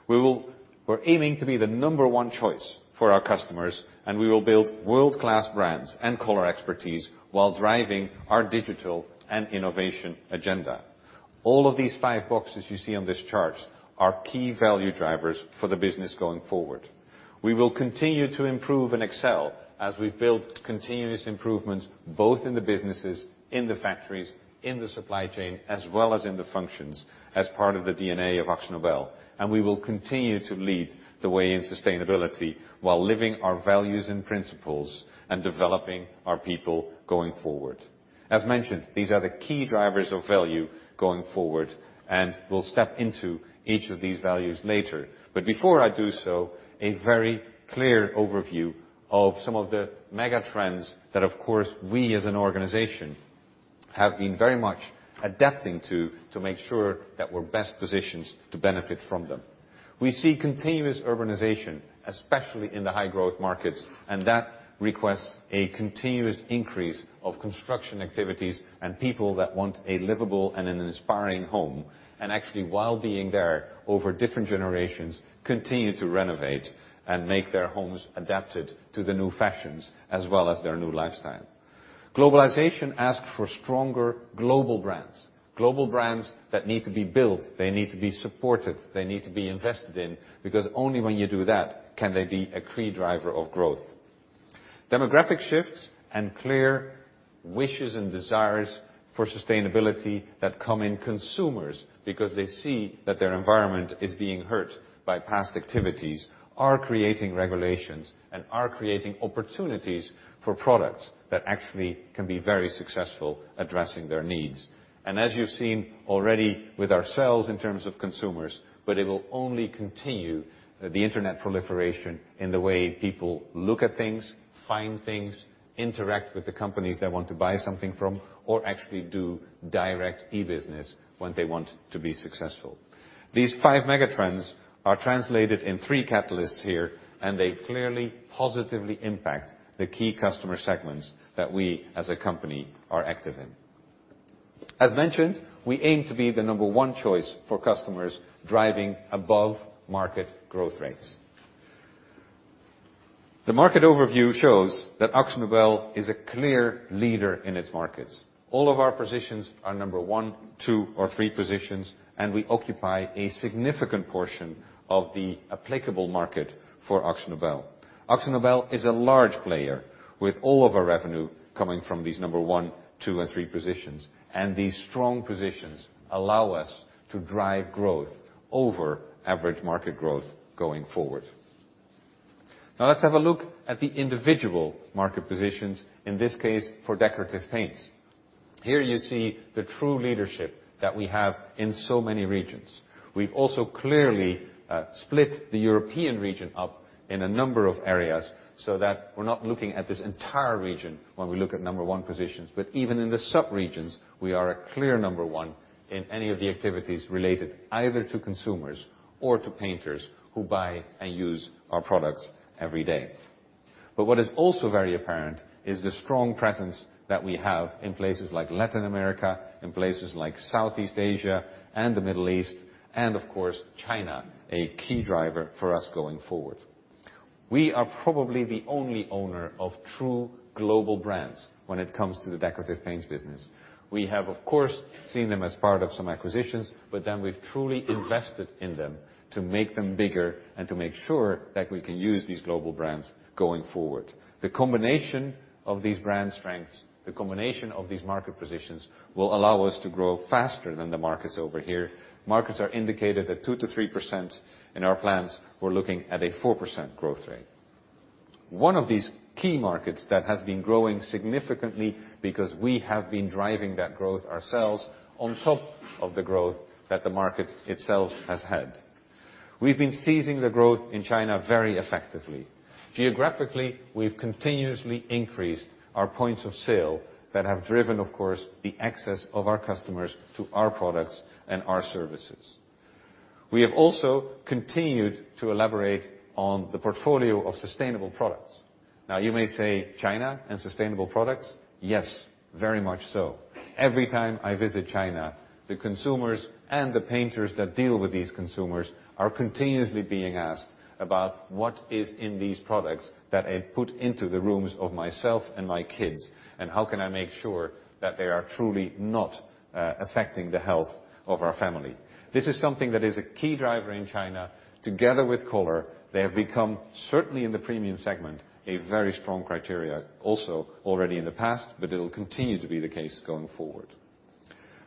We're aiming to be the number one choice for our customers, and we will build world-class brands and color expertise while driving our digital and innovation agenda. All of these five boxes you see on this chart are key value drivers for the business going forward. We will continue to improve and excel as we've built continuous improvements, both in the businesses, in the factories, in the supply chain, as well as in the functions as part of the DNA of AkzoNobel. We will continue to lead the way in sustainability while living our values and principles and developing our people going forward. As mentioned, these are the key drivers of value going forward, and we'll step into each of these values later. Before I do so, a very clear overview of some of the mega trends that of course, we as an organization have been very much adapting to make sure that we're best positioned to benefit from them. We see continuous urbanization, especially in the high growth markets, that requests a continuous increase of construction activities and people that want a livable and an inspiring home. Actually, while being there over different generations, continue to renovate and make their homes adapted to the new fashions as well as their new lifestyle. Globalization asks for stronger global brands. Global brands that need to be built, they need to be supported, they need to be invested in, because only when you do that can they be a key driver of growth. Demographic shifts and clear wishes and desires for sustainability that come in consumers, because they see that their environment is being hurt by past activities, are creating regulations and are creating opportunities for products that actually can be very successful addressing their needs. As you've seen already with ourselves in terms of consumers, but it will only continue the internet proliferation in the way people look at things, find things, interact with the companies they want to buy something from, or actually do direct e-business when they want to be successful. These five mega trends are translated in three catalysts here. They clearly positively impact the key customer segments that we as a company are active in. As mentioned, we aim to be the number one choice for customers driving above market growth rates. The market overview shows that AkzoNobel is a clear leader in its markets. All of our positions are number one, two, or three positions, and we occupy a significant portion of the applicable market for AkzoNobel. AkzoNobel is a large player with all of our revenue coming from these number one, two and three positions. These strong positions allow us to drive growth over average market growth going forward. Let's have a look at the individual market positions, in this case, for Decorative Paints. Here you see the true leadership that we have in so many regions. We've also clearly split the European region up in a number of areas, so that we're not looking at this entire region when we look at number one positions, but even in the subregions, we are a clear number one in any of the activities related either to consumers or to painters who buy and use our products every day. What is also very apparent is the strong presence that we have in places like Latin America, in places like Southeast Asia and the Middle East, and of course, China, a key driver for us going forward. We are probably the only owner of true global brands when it comes to the Decorative Paints business. We have, of course, seen them as part of some acquisitions, but then we've truly invested in them to make them bigger and to make sure that we can use these global brands going forward. The combination of these brand strengths, the combination of these market positions, will allow us to grow faster than the markets over here. Markets are indicated at 2%-3% in our plans. We're looking at a 4% growth rate. One of these key markets that has been growing significantly because we have been driving that growth ourselves on top of the growth that the market itself has had. We've been seizing the growth in China very effectively. Geographically, we've continuously increased our points of sale that have driven, of course, the access of our customers to our products and our services. We have also continued to elaborate on the portfolio of sustainable products. You may say China and sustainable products. Yes, very much so. Every time I visit China, the consumers and the painters that deal with these consumers are continuously being asked about what is in these products that I put into the rooms of myself and my kids, and how can I make sure that they are truly not affecting the health of our family. This is something that is a key driver in China. Together with color, they have become, certainly in the premium segment, a very strong criteria also already in the past, but it'll continue to be the case going forward.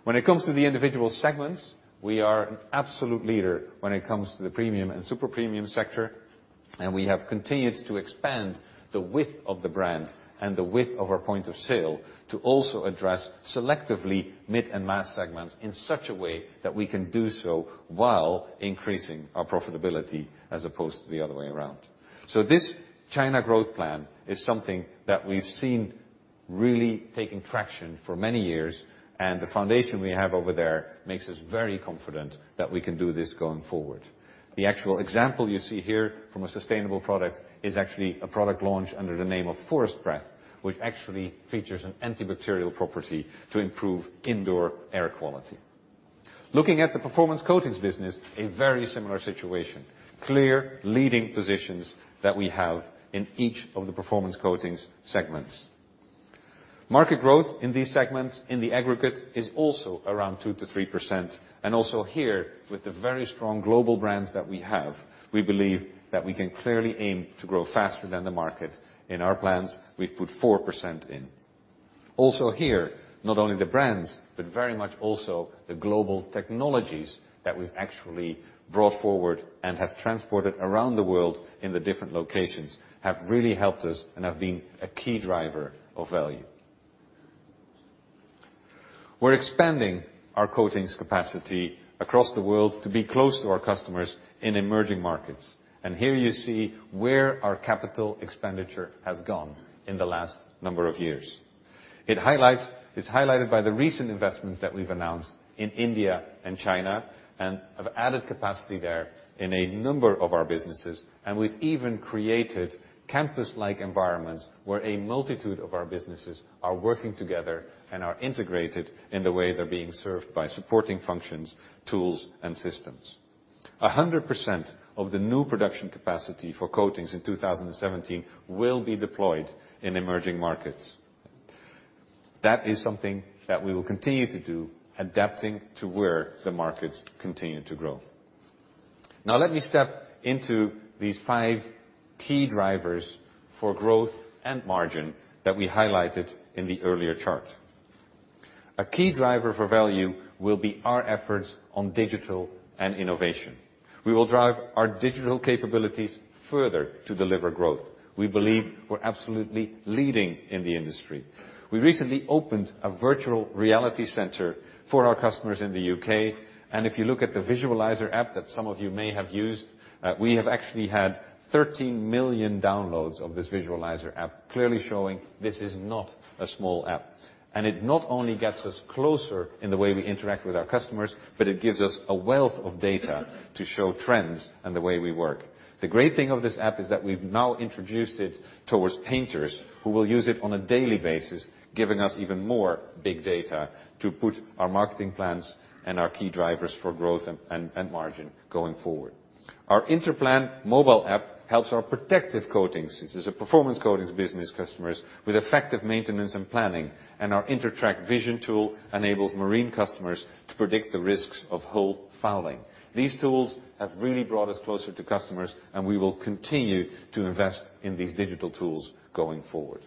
When it comes to the individual segments, we are an absolute leader when it comes to the premium and super-premium sector, and we have continued to expand the width of the brand and the width of our point of sale to also address selectively mid and mass segments in such a way that we can do so while increasing our profitability as opposed to the other way around. This China growth plan is something that we've seen really taking traction for many years, and the foundation we have over there makes us very confident that we can do this going forward. The actual example you see here from a sustainable product is actually a product launch under the name of Forest Breath, which actually features an antibacterial property to improve indoor air quality. Looking at the Performance Coatings business, a very similar situation. Clear leading positions that we have in each of the Performance Coatings segments. Market growth in these segments in the aggregate is also around 2% to 3% and also here with the very strong global brands that we have, we believe that we can clearly aim to grow faster than the market. In our plans, we've put 4% in. Also here, not only the brands, but very much also the global technologies that we've actually brought forward and have transported around the world in the different locations have really helped us and have been a key driver of value. We're expanding our coatings capacity across the world to be close to our customers in emerging markets. Here you see where our capital expenditure has gone in the last number of years. It's highlighted by the recent investments that we've announced in India and China and have added capacity there in a number of our businesses. We've even created campus-like environments where a multitude of our businesses are working together and are integrated in the way they're being served by supporting functions, tools, and systems. 100% of the new production capacity for coatings in 2017 will be deployed in emerging markets. That is something that we will continue to do, adapting to where the markets continue to grow. Let me step into these five key drivers for growth and margin that we highlighted in the earlier chart. A key driver for value will be our efforts on digital and innovation. We will drive our digital capabilities further to deliver growth. We believe we're absolutely leading in the industry. We recently opened a virtual reality center for our customers in the U.K., and if you look at the Visualizer app that some of you may have used, we have actually had 13 million downloads of this Visualizer app, clearly showing this is not a small app. It not only gets us closer in the way we interact with our customers, but it gives us a wealth of data to show trends and the way we work. The great thing of this app is that we've now introduced it towards painters who will use it on a daily basis, giving us even more big data to put our marketing plans and our key drivers for growth and margin going forward. Our Interplan mobile app helps our protective coatings. This is a Performance Coatings business customers with effective maintenance and planning. Our Intertrac Vision tool enables marine customers to predict the risks of hull fouling. These tools have really brought us closer to customers, and we will continue to invest in these digital tools going forward.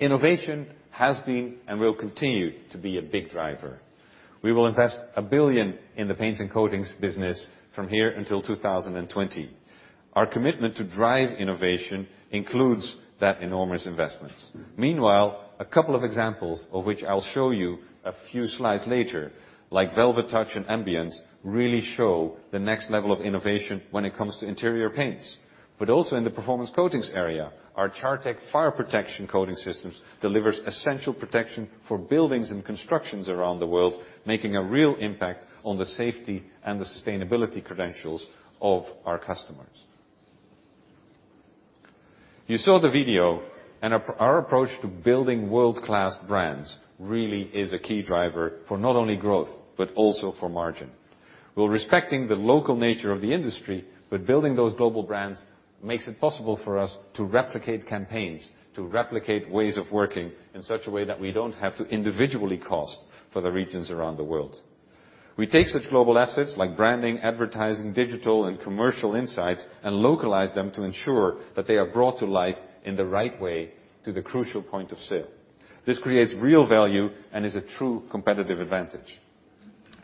Innovation has been and will continue to be a big driver. We will invest 1 billion in the Paints and Coatings business from here until 2020. Our commitment to drive innovation includes that enormous investment. Meanwhile, a couple of examples of which I'll show you a few slides later, like Dulux Velvet Touch and Dulux Ambiance, really show the next level of innovation when it comes to interior paints. Also in the Performance Coatings area, our Chartek fire protection coating systems delivers essential protection for buildings and constructions around the world, making a real impact on the safety and the sustainability credentials of our customers. You saw the video, our approach to building world-class brands really is a key driver for not only growth, but also for margin. While respecting the local nature of the industry, building those global brands makes it possible for us to replicate campaigns, to replicate ways of working in such a way that we don't have to individually cost for the regions around the world. We take such global assets like branding, advertising, digital, and commercial insights, and localize them to ensure that they are brought to life in the right way to the crucial point of sale. This creates real value and is a true competitive advantage.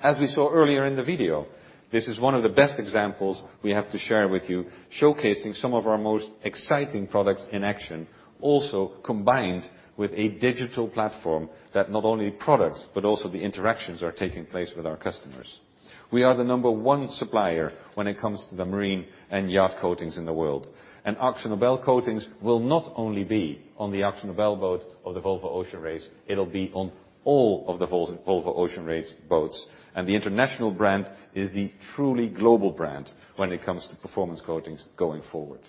As we saw earlier in the video, this is one of the best examples we have to share with you, showcasing some of our most exciting products in action, also combined with a digital platform that not only products, but also the interactions are taking place with our customers. We are the number 1 supplier when it comes to the marine and yacht coatings in the world. AkzoNobel Coatings will not only be on the AkzoNobel boat of the Volvo Ocean Race, it'll be on all of the Volvo Ocean Race boats. The International brand is the truly global brand when it comes to Performance Coatings going forward.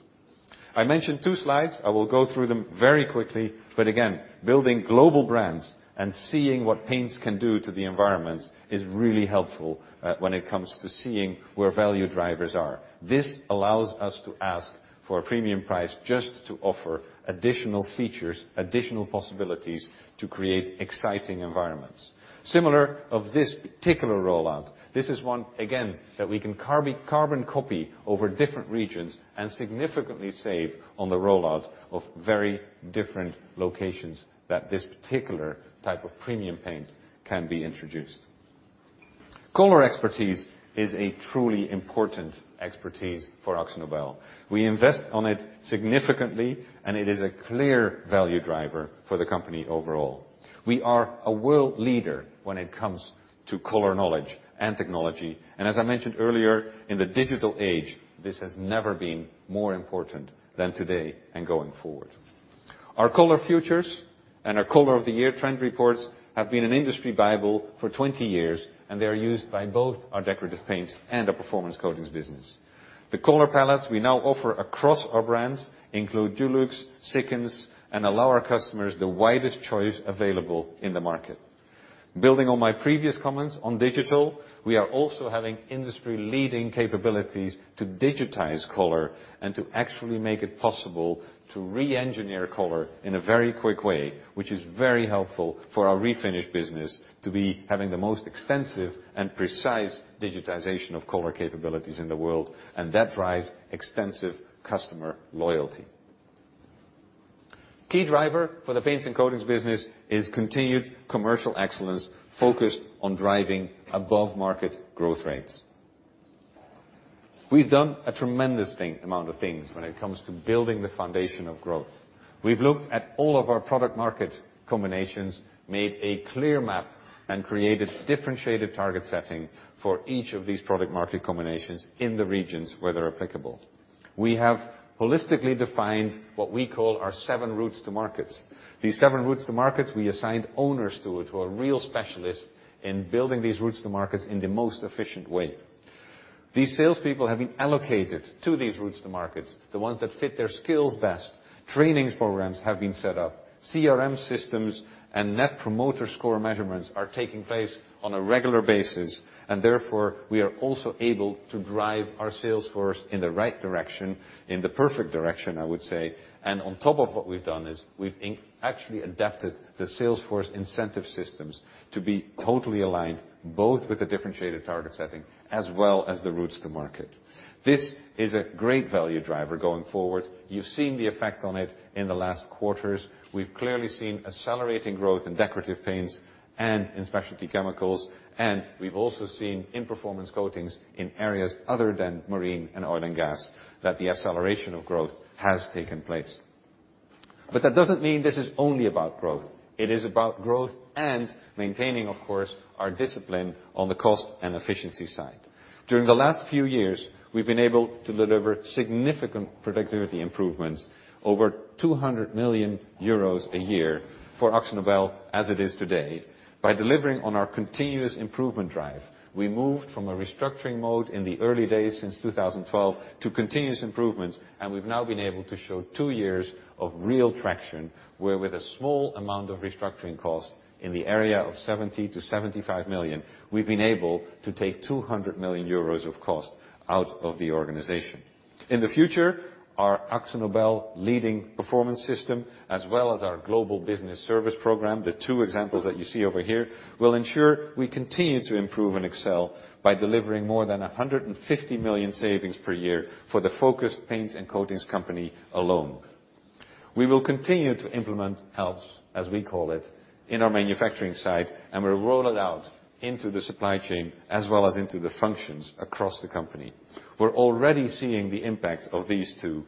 I mentioned 2 slides. I will go through them very quickly. Again, building global brands and seeing what paints can do to the environments is really helpful when it comes to seeing where value drivers are. This allows us to ask for a premium price just to offer additional features, additional possibilities to create exciting environments. Similar of this particular rollout, this is one, again, that we can carbon copy over different regions, and significantly save on the rollout of very different locations that this particular type of premium paint can be introduced. Color expertise is a truly important expertise for AkzoNobel. We invest on it significantly, and it is a clear value driver for the company overall. We are a world leader when it comes to color knowledge and technology. As I mentioned earlier, in the digital age, this has never been more important than today and going forward. Our ColourFutures and our Color of the Year trend reports have been an industry bible for 20 years, and they are used by both our Decorative Paints and our Performance Coatings business. The color palettes we now offer across our brands include Dulux, Sikkens, and allow our customers the widest choice available in the market. Building on my previous comments on digital, we are also having industry-leading capabilities to digitize color and to actually make it possible to re-engineer color in a very quick way, which is very helpful for our refinish business to be having the most extensive and precise digitization of color capabilities in the world, and that drives extensive customer loyalty. Key driver for the Paints and Coatings business is continued commercial excellence focused on driving above-market growth rates. We've done a tremendous amount of things when it comes to building the foundation of growth. We've looked at all of our product market combinations, made a clear map, and created differentiated target setting for each of these product market combinations in the regions where they're applicable. We have holistically defined what we call our seven routes to markets. These seven routes to markets, we assigned owners to it who are real specialists in building these routes to markets in the most efficient way. These sales people have been allocated to these routes to markets, the ones that fit their skills best. Trainings programs have been set up. CRM systems and Net Promoter Score measurements are taking place on a regular basis, therefore, we are also able to drive our sales force in the right direction, in the perfect direction, I would say. On top of what we've done is we've actually adapted the sales force incentive systems to be totally aligned, both with a differentiated target setting as well as the routes to market. This is a great value driver going forward. You've seen the effect on it in the last quarters. We've clearly seen accelerating growth in Decorative Paints and in Specialty Chemicals, and we've also seen in Performance Coatings in areas other than marine and oil and gas, that the acceleration of growth has taken place. That doesn't mean this is only about growth. It is about growth and maintaining, of course, our discipline on the cost and efficiency side. During the last few years, we've been able to deliver significant productivity improvements, over 200 million euros a year for AkzoNobel as it is today. By delivering on our continuous improvement drive, we moved from a restructuring mode in the early days since 2012 to continuous improvements, and we've now been able to show two years of real traction, where with a small amount of restructuring costs in the area of 70 million-75 million, we've been able to take 200 million euros of cost out of the organization. In the future, our AkzoNobel Leading Performance System, as well as our Global Business Services program, the two examples that you see over here, will ensure we continue to improve and excel by delivering more than 150 million savings per year for the focused Paints and Coatings company alone. We will continue to implement ALPS, as we call it, in our manufacturing side, and we'll roll it out into the supply chain as well as into the functions across the company. We're already seeing the impact of these two,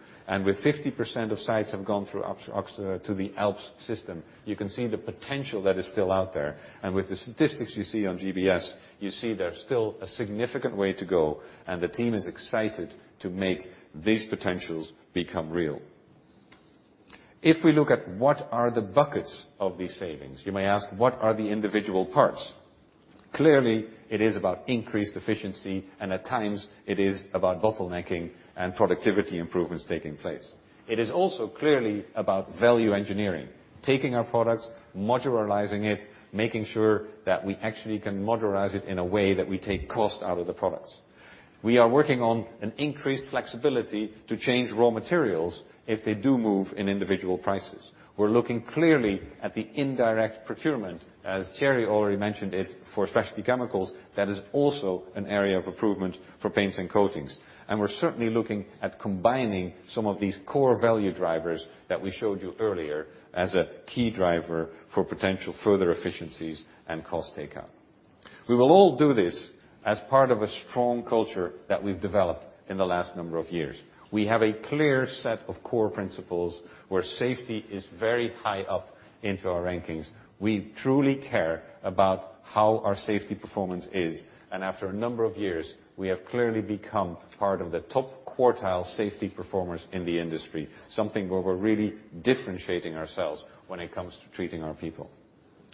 with 50% of sites have gone to the ALPS system, you can see the potential that is still out there. With the statistics you see on GBS, you see there's still a significant way to go, and the team is excited to make these potentials become real. If we look at what are the buckets of these savings, you may ask, what are the individual parts? Clearly, it is about increased efficiency, and at times it is about bottlenecking and productivity improvements taking place. It is also clearly about value engineering, taking our products, modularizing it, making sure that we actually can modularize it in a way that we take cost out of the products. We are working on an increased flexibility to change raw materials if they do move in individual prices. We're looking clearly at the indirect procurement, as Thierry already mentioned it for Specialty Chemicals, that is also an area of improvement for Paints and Coatings. We're certainly looking at combining some of these core value drivers that we showed you earlier as a key driver for potential further efficiencies and cost takeout. We will all do this as part of a strong culture that we've developed in the last number of years. We have a clear set of core principles where safety is very high up into our rankings. We truly care about how our safety performance is, and after a number of years, we have clearly become part of the top quartile safety performers in the industry. Something where we're really differentiating ourselves when it comes to treating our people.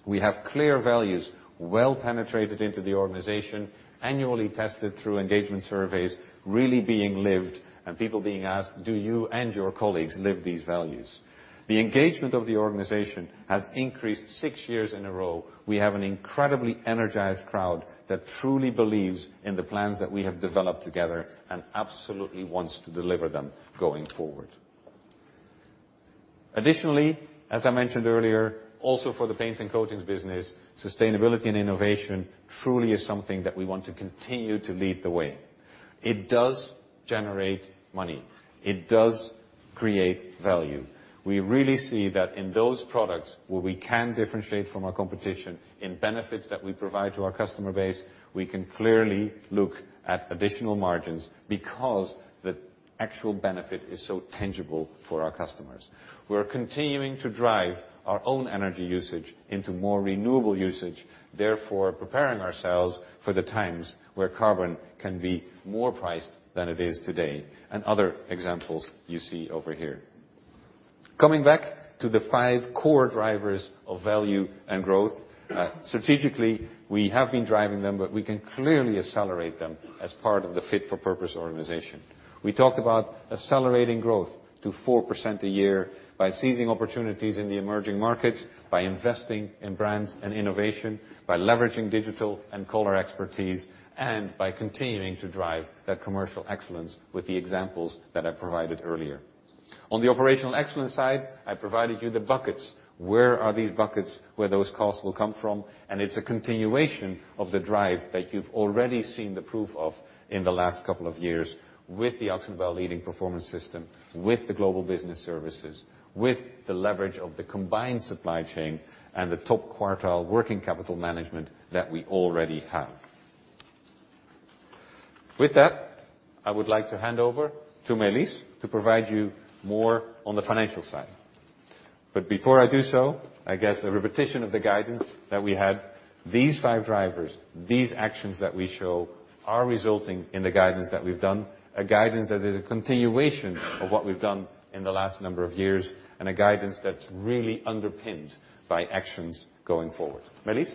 We have clear values, well penetrated into the organization, annually tested through engagement surveys, really being lived, and people being asked, "Do you and your colleagues live these values?" The engagement of the organization has increased six years in a row. We have an incredibly energized crowd that truly believes in the plans that we have developed together and absolutely wants to deliver them going forward. Additionally, as I mentioned earlier, also for the Paints and Coatings business, sustainability and innovation truly is something that we want to continue to lead the way. It does generate money. It does create value. We really see that in those products where we can differentiate from our competition in benefits that we provide to our customer base, we can clearly look at additional margins because the actual benefit is so tangible for our customers. We're continuing to drive our own energy usage into more renewable usage, therefore preparing ourselves for the times where carbon can be more priced than it is today, and other examples you see over here. Coming back to the five core drivers of value and growth. Strategically, we have been driving them, but we can clearly accelerate them as part of the fit for purpose organization. We talked about accelerating growth to 4% a year by seizing opportunities in the emerging markets, by investing in brands and innovation, by leveraging digital and color expertise, and by continuing to drive that commercial excellence with the examples that I provided earlier. On the operational excellence side, I provided you the buckets. Where are these buckets where those costs will come from? It's a continuation of the drive that you've already seen the proof of in the last couple of years with the AkzoNobel Leading Performance System, with the Global Business Services, with the leverage of the combined supply chain, and the top quartile working capital management that we already have. With that, I would like to hand over to Maëlys to provide you more on the financial side. Before I do so, I guess a repetition of the guidance that we had, these five drivers, these actions that we show are resulting in the guidance that we've done, a guidance that is a continuation of what we've done in the last number of years, and a guidance that's really underpinned by actions going forward. Maëlys?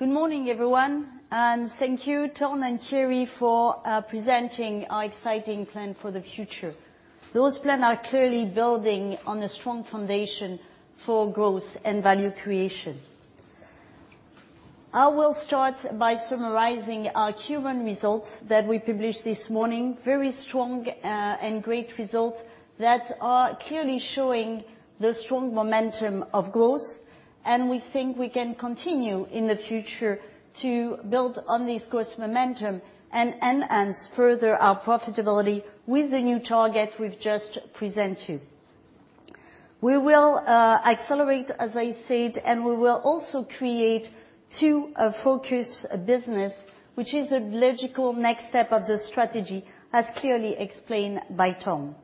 Good morning, everyone, thank you, Ton and Thierry, for presenting our exciting plan for the future. Those plan are clearly building on a strong foundation for growth and value creation. I will start by summarizing our Q1 results that we published this morning. Very strong and great results that are clearly showing the strong momentum of growth, and we think we can continue in the future to build on this growth momentum and enhance further our profitability with the new target we've just present to you. We will accelerate, as I said, and we will also create two focus business, which is a logical next step of the strategy, as clearly explained by Ton.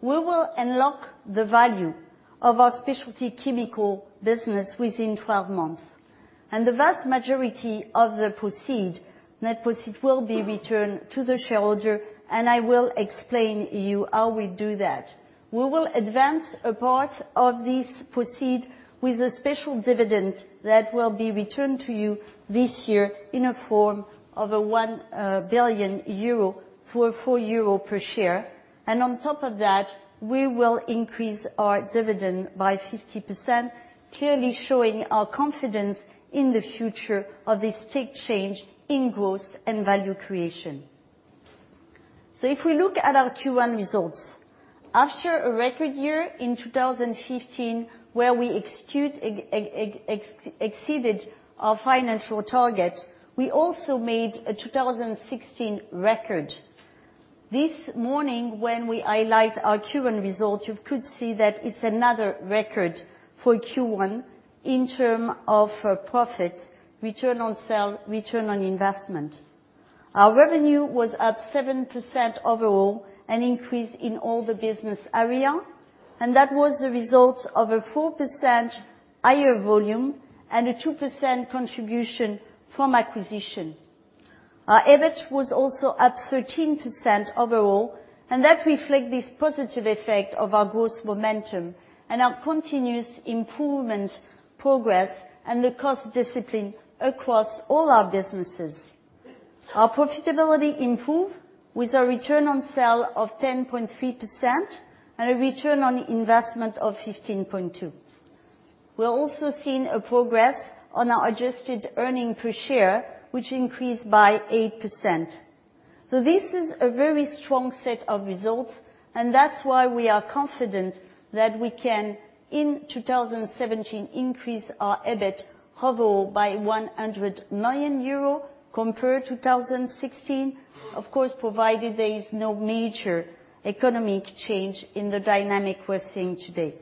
We will unlock the value of our Specialty Chemicals business within 12 months. The vast majority of the proceed, net proceed, will be returned to the shareholder, and I will explain you how we do that. We will advance a part of this proceed with a special dividend that will be returned to you this year in a form of a 1 billion euro for a 4 euro per share. On top of that, we will increase our dividend by 50%, clearly showing our confidence in the future of this step change in growth and value creation. If we look at our Q1 results, after a record year in 2015, where we exceeded our financial target, we also made a 2016 record. This morning when we highlight our Q1 result, you could see that it's another record for Q1 in term of profit, return on sale, return on investment. Our revenue was up 7% overall, an increase in all the business area, and that was the result of a 4% higher volume and a 2% contribution from acquisition. Our EBIT was also up 13% overall, and that reflect this positive effect of our growth momentum and our continuous improvement progress and the cost discipline across all our businesses. Our profitability improved with our return on sale of 10.3% and a return on investment of 15.2%. We're also seeing a progress on our adjusted earning per share, which increased by 8%. This is a very strong set of results, and that's why we are confident that we can, in 2017, increase our EBIT overall by 100 million euro compared to 2016. Of course, provided there is no major economic change in the dynamic we're seeing today.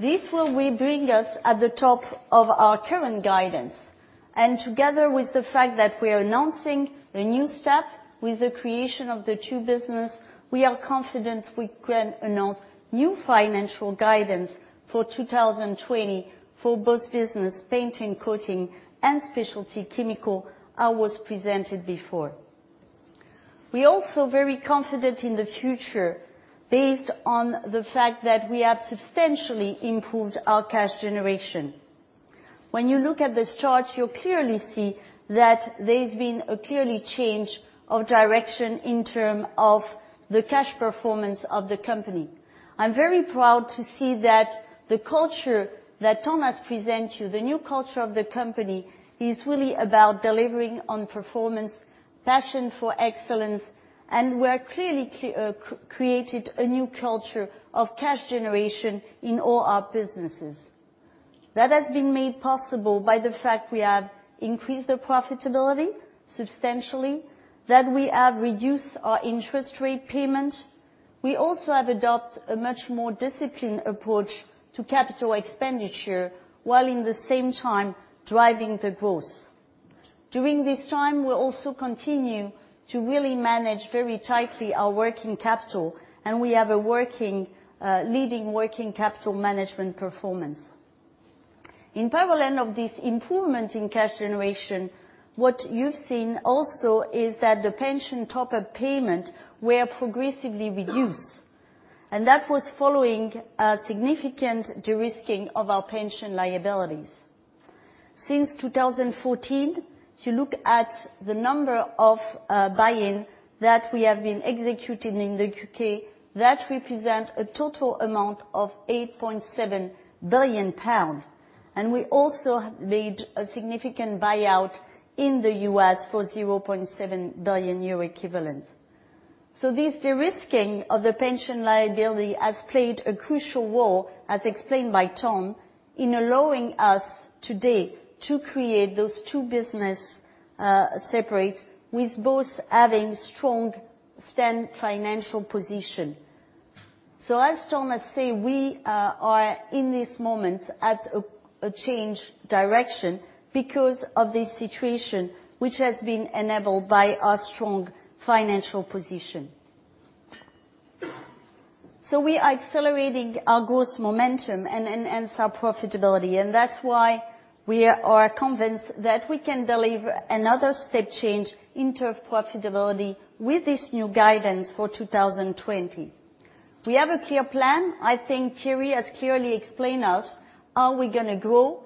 This will bring us at the top of our current guidance. Together with the fact that we are announcing a new step with the creation of the two businesses, we are confident we can announce new financial guidance for 2020 for both businesses, Paints and Coatings, and Specialty Chemicals, as I presented before. We are also very confident in the future based on the fact that we have substantially improved our cash generation. When you look at this chart, you clearly see that there has been a clear change of direction in terms of the cash performance of the company. I am very proud to see that the culture that Ton presented you, the new culture of the company, is really about delivering on performance, passion for excellence, and we have clearly created a new culture of cash generation in all our businesses. That has been made possible by the fact that we have increased the profitability substantially, that we have reduced our interest rate payments. We have also adopted a much more disciplined approach to CapEx, while at the same time driving the growth. During this time, we will also continue to really manage very tightly our working capital, and we have a leading working capital management performance. In parallel with this improvement in cash generation, what you have seen also is that the pension top-up payments were progressively reduced, and that was following a significant de-risking of our pension liabilities. Since 2014, if you look at the number of buy-ins that we have been executing in the U.K., that represents a total amount of 8.7 billion pounds, and we also made a significant buyout in the U.S. for 0.7 billion euro equivalent. This de-risking of the pension liability has played a crucial role, as explained by Ton, in allowing us today to create those two separate businesses, with both having strong, sound financial positions. As Ton says, we are in this moment at a change in direction because of this situation, which has been enabled by our strong financial position. We are accelerating our growth momentum and our profitability, and that is why we are convinced that we can deliver another step change in profitability with this new guidance for 2020. We have a clear plan. I think Thierry has clearly explained to us how we are going to grow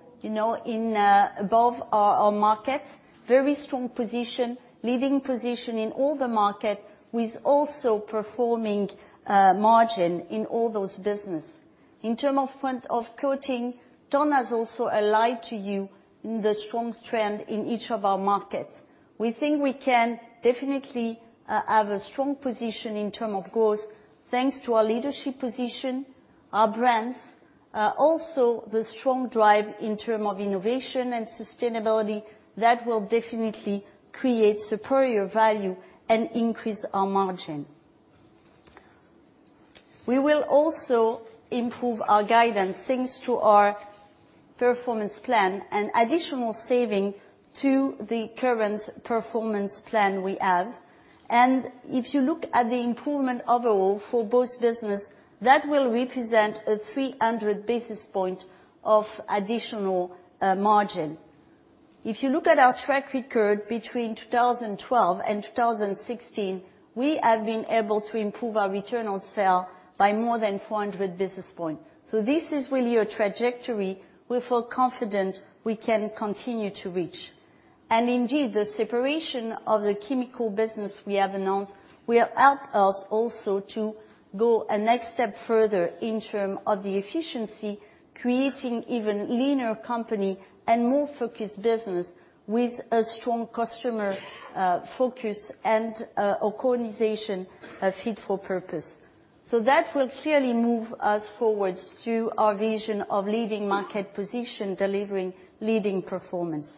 above our market. Very strong position, leading position in all our markets, with also performing margins in all those businesses. In terms of Coatings, Ton has also highlighted to you the strong trend in each of our markets. We think we can definitely have a strong position in terms of growth thanks to our leadership position, our brands. The strong drive in terms of innovation and sustainability, which will definitely create superior value and increase our margins. We will also improve our guidance thanks to our performance plan and additional savings to the current performance plan we have. If you look at the improvement overall for both businesses, that will represent 300 basis points of additional margin. If you look at our track record between 2012 and 2016, we have been able to improve our return on sale by more than 400 basis points. This is really a trajectory we feel confident we can continue to reach. Indeed, the separation of the Specialty Chemicals business we have announced will help us also to go a next step further in terms of efficiency, creating even leaner company and more focused businesses with a strong customer focus and organization fit for purpose. That will clearly move us forwards to our vision of leading market position, delivering leading performance.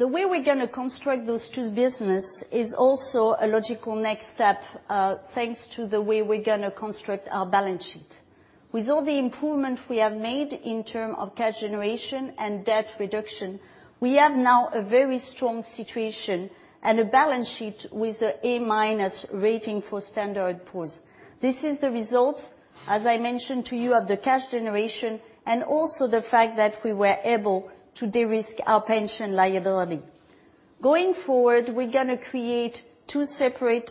The way we're gonna construct those two business is also a logical next step, thanks to the way we're gonna construct our balance sheet. With all the improvement we have made in term of cash generation and debt reduction, we have now a very strong situation and a balance sheet with a A- rating for Standard & Poor's. This is the results, as I mentioned to you, of the cash generation, and also the fact that we were able to de-risk our pension liability. Going forward, we're going to create two separate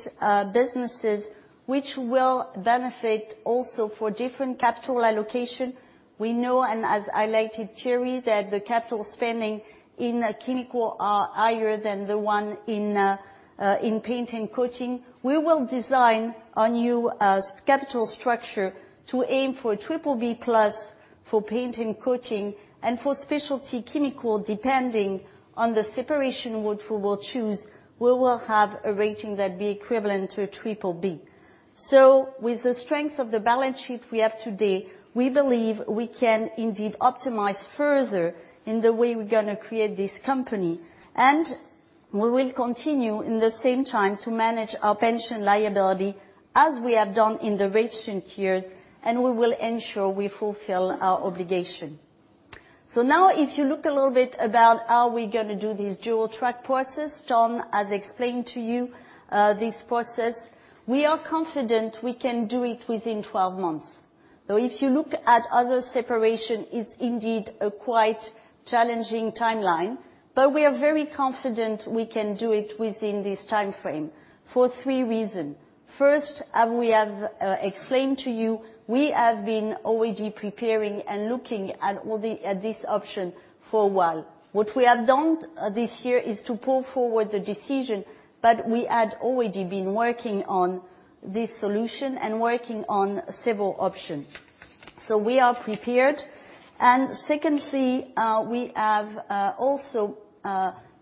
businesses, which will benefit also for different capital allocation. We know, and as highlighted Thierry, that the capital spending in Chemical are higher than the one in Paints and Coatings. We will design a new capital structure to aim for BBB+ for Paints and Coatings and for Specialty Chemicals, depending on the separation which we will choose, we will have a rating that be equivalent to a BBB. With the strength of the balance sheet we have today, we believe we can indeed optimize further in the way we're gonna create this company. And we will continue, in the same time, to manage our pension liability as we have done in the recent years, and we will ensure we fulfill our obligation. Now, if you look a little bit about how we're going to do this dual-track process, Ton has explained to you this process. We are confident we can do it within 12 months. If you look at other separation, it's indeed a quite challenging timeline, but we are very confident we can do it within this timeframe for three reason. First, as we have explained to you, we have been already preparing and looking at this option for a while. What we have done this year is to pull forward the decision, but we had already been working on this solution and working on several options. We are prepared. Secondly, we have also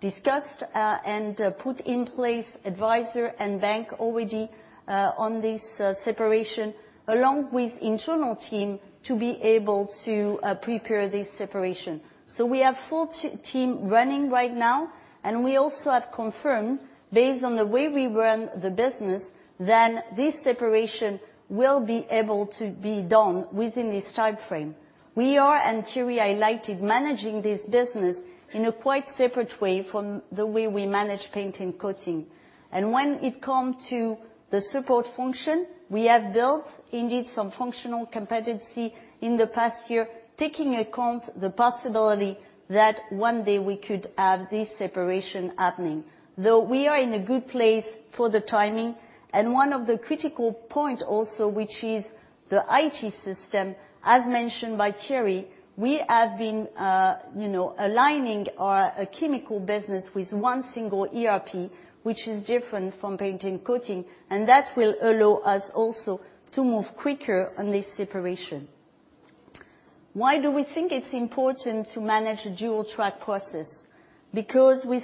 discussed and put in place advisor and bank already on this separation, along with internal team, to be able to prepare this separation. We have full team running right now, and we also have confirmed, based on the way we run the business, that this separation will be able to be done within this timeframe. We are, and Thierry highlighted, managing this business in a quite separate way from the way we manage Paints and Coatings. When it come to the support function, we have built indeed some functional competency in the past year, taking account the possibility that one day we could have this separation happening. We are in a good place for the timing, and one of the critical point also, which is the IT system, as mentioned by Thierry, we have been aligning our Specialty Chemicals business with one single ERP, which is different from Paints and Coatings, and that will allow us also to move quicker on this separation. Why do we think it's important to manage a dual-track process? We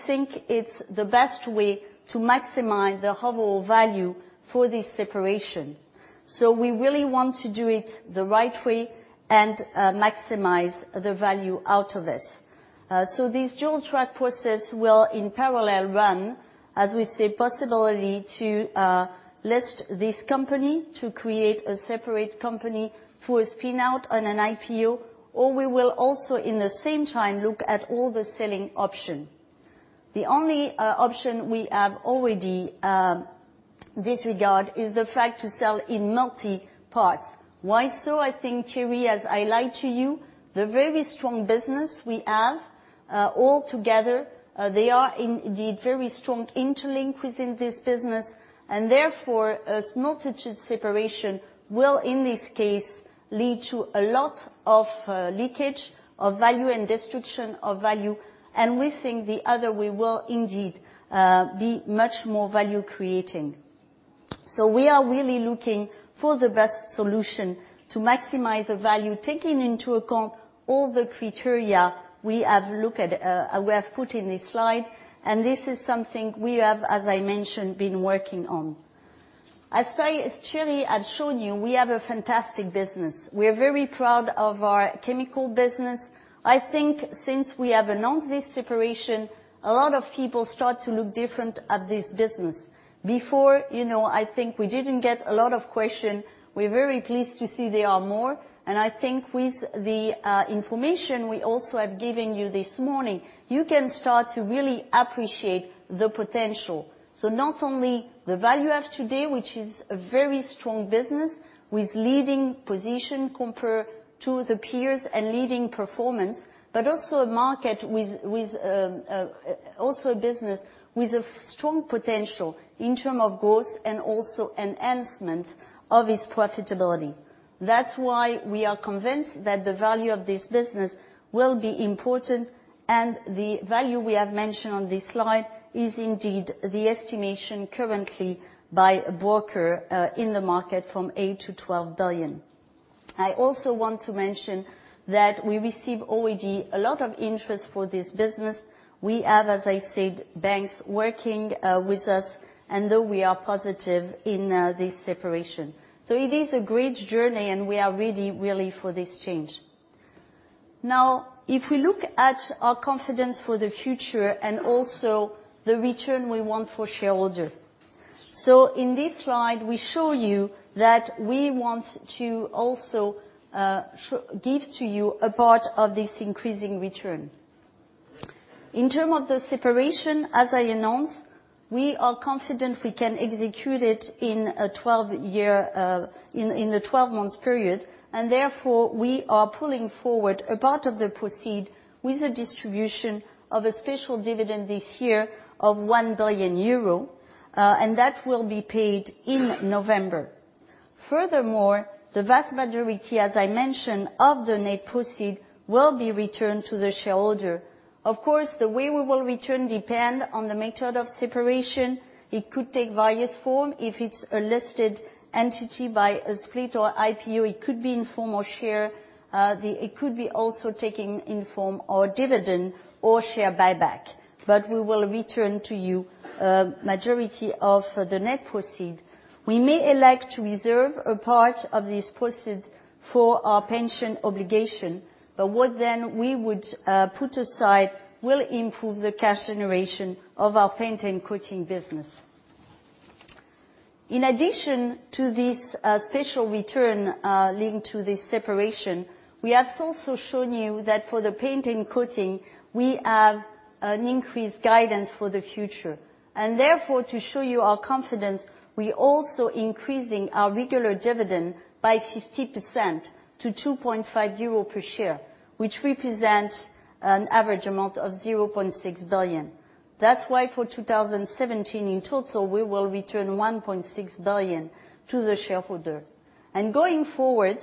think it's the best way to maximize the overall value for this separation. We really want to do it the right way and maximize the value out of it. This dual-track process will, in parallel, run, as we say, possibility to list this company to create a separate company for a spin-out and an IPO, or we will also, in the same time, look at all the selling option. The only option we have already disregard is the fact to sell in multi-parts. Why so? Thierry has highlighted to you, the very strong business we have altogether, they are indeed very strong interlink within this business. Therefore, a multitude separation will, in this case, lead to a lot of leakage of value and destruction of value, and we think the other way will indeed be much more value creating. We are really looking for the best solution to maximize the value, taking into account all the criteria we have put in this slide, and this is something we have, as I mentioned, been working on. As Thierry had shown you, we have a fantastic business. We are very proud of our Specialty Chemicals business. I think since we have announced this separation, a lot of people start to look different at this business. Before, I think we didn't get a lot of question. We're very pleased to see there are more, and I think with the information we also have given you this morning, you can start to really appreciate the potential. Not only the value as today, which is a very strong business with leading position compared to the peers and leading performance, but also a business with a strong potential in term of growth and also enhancement of its profitability. That's why we are convinced that the value of this business will be important, and the value we have mentioned on this slide is indeed the estimation currently by broker in the market from $8 billion-$12 billion. I also want to mention that we receive already a lot of interest for this business. We have, as I said, banks working with us and though we are positive in this separation. It is a great journey and we are ready, really, for this change. Now, if we look at our confidence for the future and also the return we want for shareholder. In this slide, we show you that we want to also give to you a part of this increasing return. In term of the separation, as I announced, we are confident we can execute it in the 12 months period. Therefore, we are pulling forward a part of the proceed with a distribution of a special dividend this year of 1 billion euro, and that will be paid in November. Furthermore, the vast majority, as I mentioned, of the net proceed will be returned to the shareholder. Of course, the way we will return depend on the method of separation. It could take various form. If it's a listed entity by a split or IPO, it could be in form of share. It could be also taking in form or dividend or share buyback. We will return to you majority of the net proceed. We may elect to reserve a part of this proceed for our pension obligation, but what then we would put aside will improve the cash generation of our Paints and Coatings business. In addition to this special return linked to this separation, we have also shown you that for the Paints and Coatings, we have an increased guidance for the future. Therefore, to show you our confidence, we also increasing our regular dividend by 50% to 2.5 euro per share, which represents an average amount of 0.6 billion. That's why for 2017, in total, we will return 1.6 billion to the shareholder. Going forward,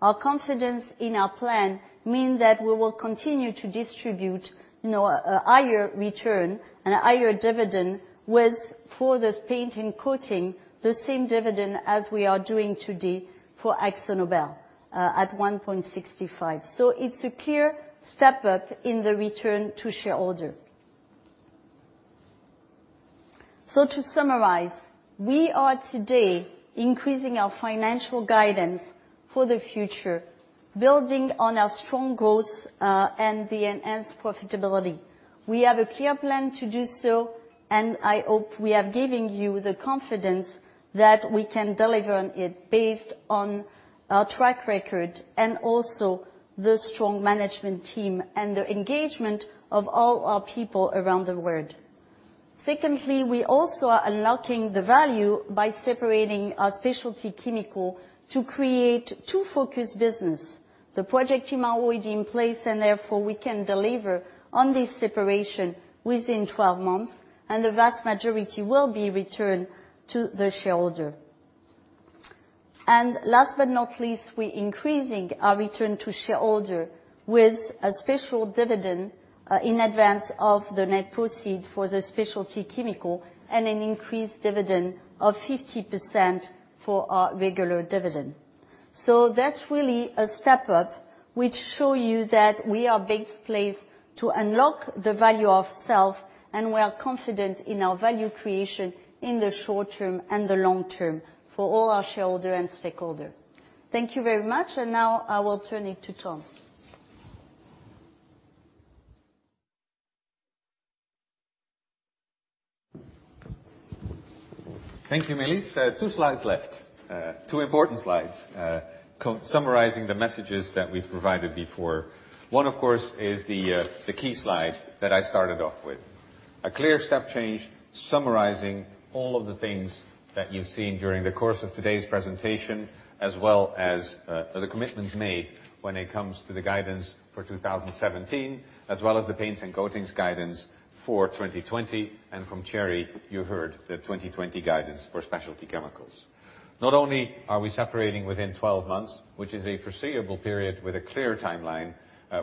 our confidence in our plan mean that we will continue to distribute a higher return and a higher dividend with, for this Paints and Coatings, the same dividend as we are doing today for AkzoNobel at 1.65. It's a clear step up in the return to shareholder. To summarize, we are today increasing our financial guidance for the future, building on our strong growth, and the enhanced profitability. We have a clear plan to do so, and I hope we are giving you the confidence that we can deliver on it based on our track record and also the strong management team and the engagement of all our people around the world. Secondly, we also are unlocking the value by separating our Specialty Chemicals to create two focused business. The project team are already in place, therefore, we can deliver on this separation within 12 months, and the vast majority will be returned to the shareholder. Last but not least, we increasing our return to shareholder with a special dividend, in advance of the net proceed for the Specialty Chemicals and an increased dividend of 50% for our regular dividend. That's really a step up, which show you that we are best placed to unlock the value ourself, and we are confident in our value creation in the short term and the long term for all our shareholder and stakeholder. Thank you very much. Now I will turn it to Ton. Thank you, Maëlys. Two slides left. Two important slides summarizing the messages that we've provided before. One, of course, is the key slide that I started off with. A clear step change summarizing all of the things that you've seen during the course of today's presentation, as well as the commitments made when it comes to the guidance for 2017, as well as the Paints and Coatings guidance for 2020. From Thierry, you heard the 2020 guidance for Specialty Chemicals. Not only are we separating within 12 months, which is a foreseeable period with a clear timeline,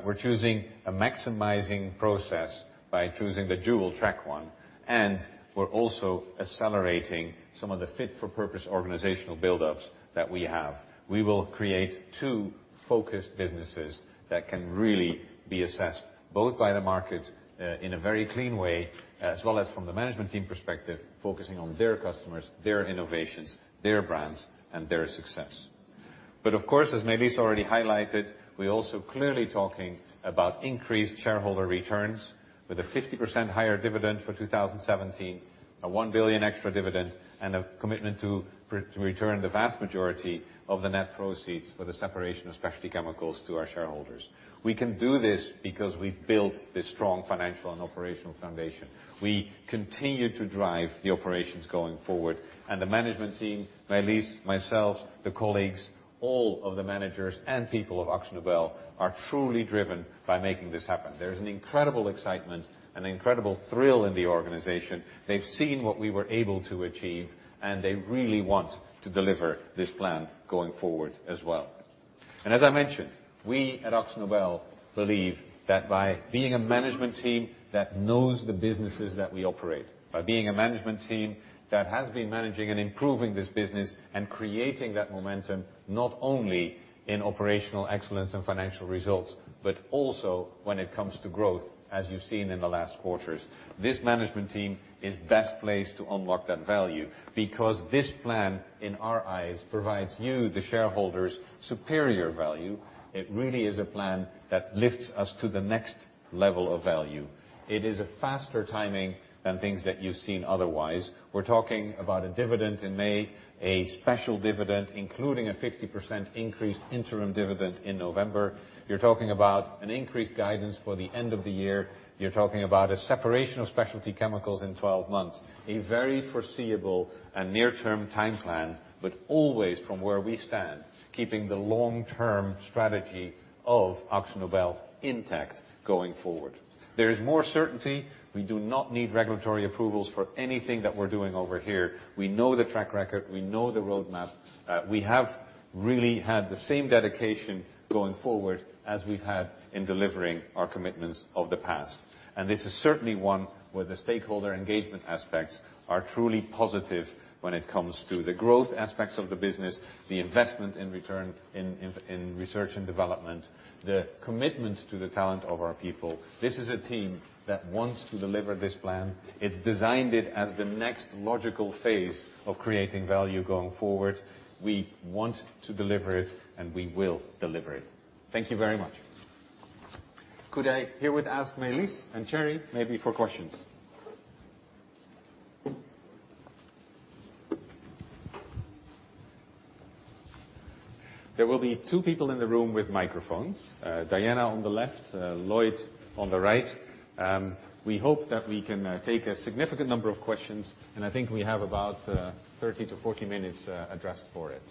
we're choosing a maximizing process by choosing the dual track one, and we're also accelerating some of the fit-for-purpose organizational buildups that we have. We will create two focused businesses that can really be assessed both by the market in a very clean way, as well as from the management team perspective, focusing on their customers, their innovations, their brands, and their success. Of course, as Maëlys already highlighted, we are also clearly talking about increased shareholder returns with a 50% higher dividend for 2017, a 1 billion extra dividend, and a commitment to return the vast majority of the net proceeds for the separation of Specialty Chemicals to our shareholders. We can do this because we have built this strong financial and operational foundation. We continue to drive the operations going forward, and the management team, Maëlys, myself, the colleagues, all of the managers and people of AkzoNobel are truly driven by making this happen. There is an incredible excitement, an incredible thrill in the organization. They have seen what we were able to achieve, they really want to deliver this plan going forward as well. As I mentioned, we at AkzoNobel believe that by being a management team that knows the businesses that we operate, by being a management team that has been managing and improving this business and creating that momentum, not only in operational excellence and financial results, but also when it comes to growth, as you have seen in the last quarters. This management team is best placed to unlock that value, because this plan, in our eyes, provides you, the shareholders, superior value. It really is a plan that lifts us to the next level of value. It is a faster timing than things that you have seen otherwise. We are talking about a dividend in May, a special dividend, including a 50% increased interim dividend in November. You are talking about an increased guidance for the end of the year. You are talking about a separation of Specialty Chemicals in 12 months. A very foreseeable and near-term time plan, but always, from where we stand, keeping the long-term strategy of AkzoNobel intact going forward. There is more certainty. We do not need regulatory approvals for anything that we are doing over here. We know the track record. We know the road map. We have really had the same dedication going forward as we have had in delivering our commitments of the past. This is certainly one where the stakeholder engagement aspects are truly positive when it comes to the growth aspects of the business, the investment in return in research and development, the commitment to the talent of our people. This is a team that wants to deliver this plan. It is designed it as the next logical phase of creating value going forward. We want to deliver it and we will deliver it. Thank you very much. Could I herewith ask Maëlys and Thierry maybe for questions? There will be two people in the room with microphones. Diana on the left, Lloyd on the right. We hope that we can take a significant number of questions, and I think we have about 30-40 minutes addressed for it.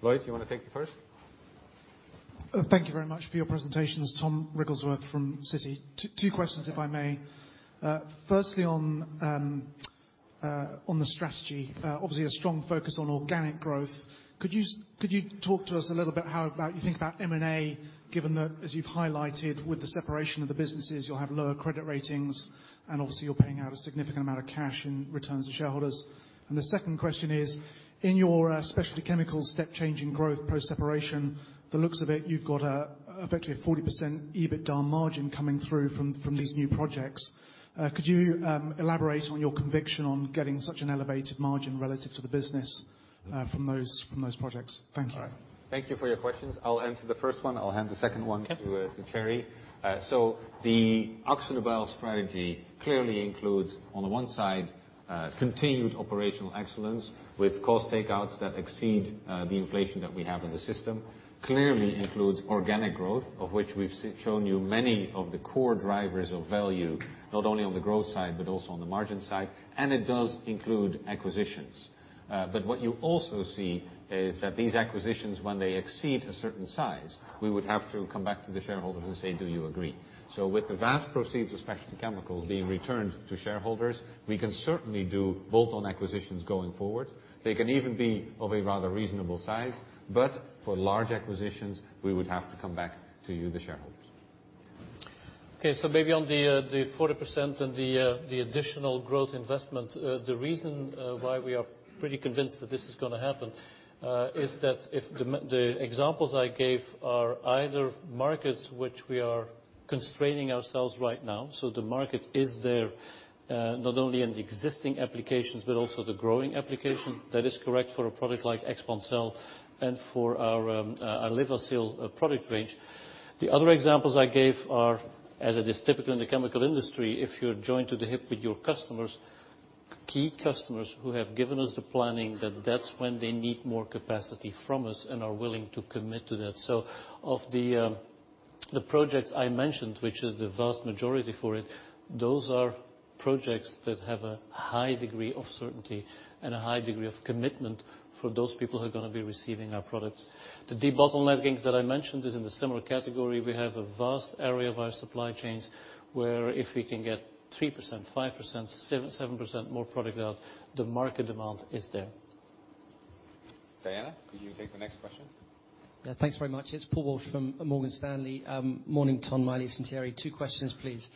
Lloyd, you want to take the first? Thank you very much for your presentations. Tom Wrigglesworth from Citi. Two questions, if I may. Firstly, on the strategy. Obviously a strong focus on organic growth. Could you talk to us a little bit how you think about M&A, given that, as you've highlighted, with the separation of the businesses you'll have lower credit ratings and obviously you're paying out a significant amount of cash in returns to shareholders. The second question is, in your Specialty Chemicals step change in growth post-separation, the looks of it, you've got effectively a 40% EBITDA margin coming through from these new projects. Could you elaborate on your conviction on getting such an elevated margin relative to the business from those projects? Thanks. All right. Thank you for your questions. I'll answer the first one. I'll hand the second one to Thierry. Okay. The AkzoNobel strategy clearly includes, on the one side, continued operational excellence with cost takeouts that exceed the inflation that we have in the system. Clearly includes organic growth, of which we've shown you many of the core drivers of value, not only on the growth side, but also on the margin side, and it does include acquisitions. What you also see is that these acquisitions, when they exceed a certain size, we would have to come back to the shareholder who say, "Do you agree?" With the vast proceeds of Specialty Chemicals being returned to shareholders, we can certainly do bolt-on acquisitions going forward. They can even be of a rather reasonable size, but for large acquisitions, we would have to come back to you, the shareholders. Okay, maybe on the 40% and the additional growth investment. The reason why we are pretty convinced that this is going to happen, is that if the examples I gave are either markets which we are constraining ourselves right now, the market is there, not only in the existing applications but also the growing application. That is correct for a product like Expancel and for our Levasil product range. The other examples I gave are, as it is typical in the chemical industry, if you're joined to the hip with your customers, key customers who have given us the planning, that that's when they need more capacity from us and are willing to commit to that. Of the projects I mentioned, which is the vast majority for it, those are projects that have a high degree of certainty and a high degree of commitment for those people who are going to be receiving our products. The debottlenecking that I mentioned is in the similar category. We have a vast area of our supply chains where if we can get 3%, 5%, 7% more product out, the market demand is there. Diana, could you take the next question? Yeah. Thanks very much. It's Paul Walsh from Morgan Stanley. Morning, Tom, Maëlys and Thierry. Two questions, please.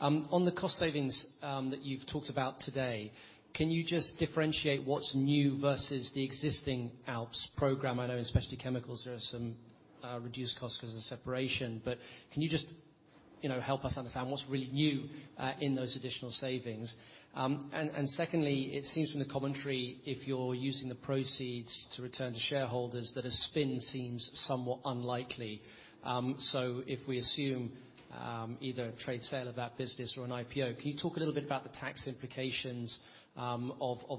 On the cost savings that you've talked about today, can you just differentiate what's new versus the existing ALPS program? I know in Specialty Chemicals there are some reduced costs because of separation. Can you just help us understand what's really new in those additional savings. Secondly, it seems from the commentary, if you're using the proceeds to return to shareholders that a spin seems somewhat unlikely. If we assume, either a trade sale of that business or an IPO, can you talk a little bit about the tax implications of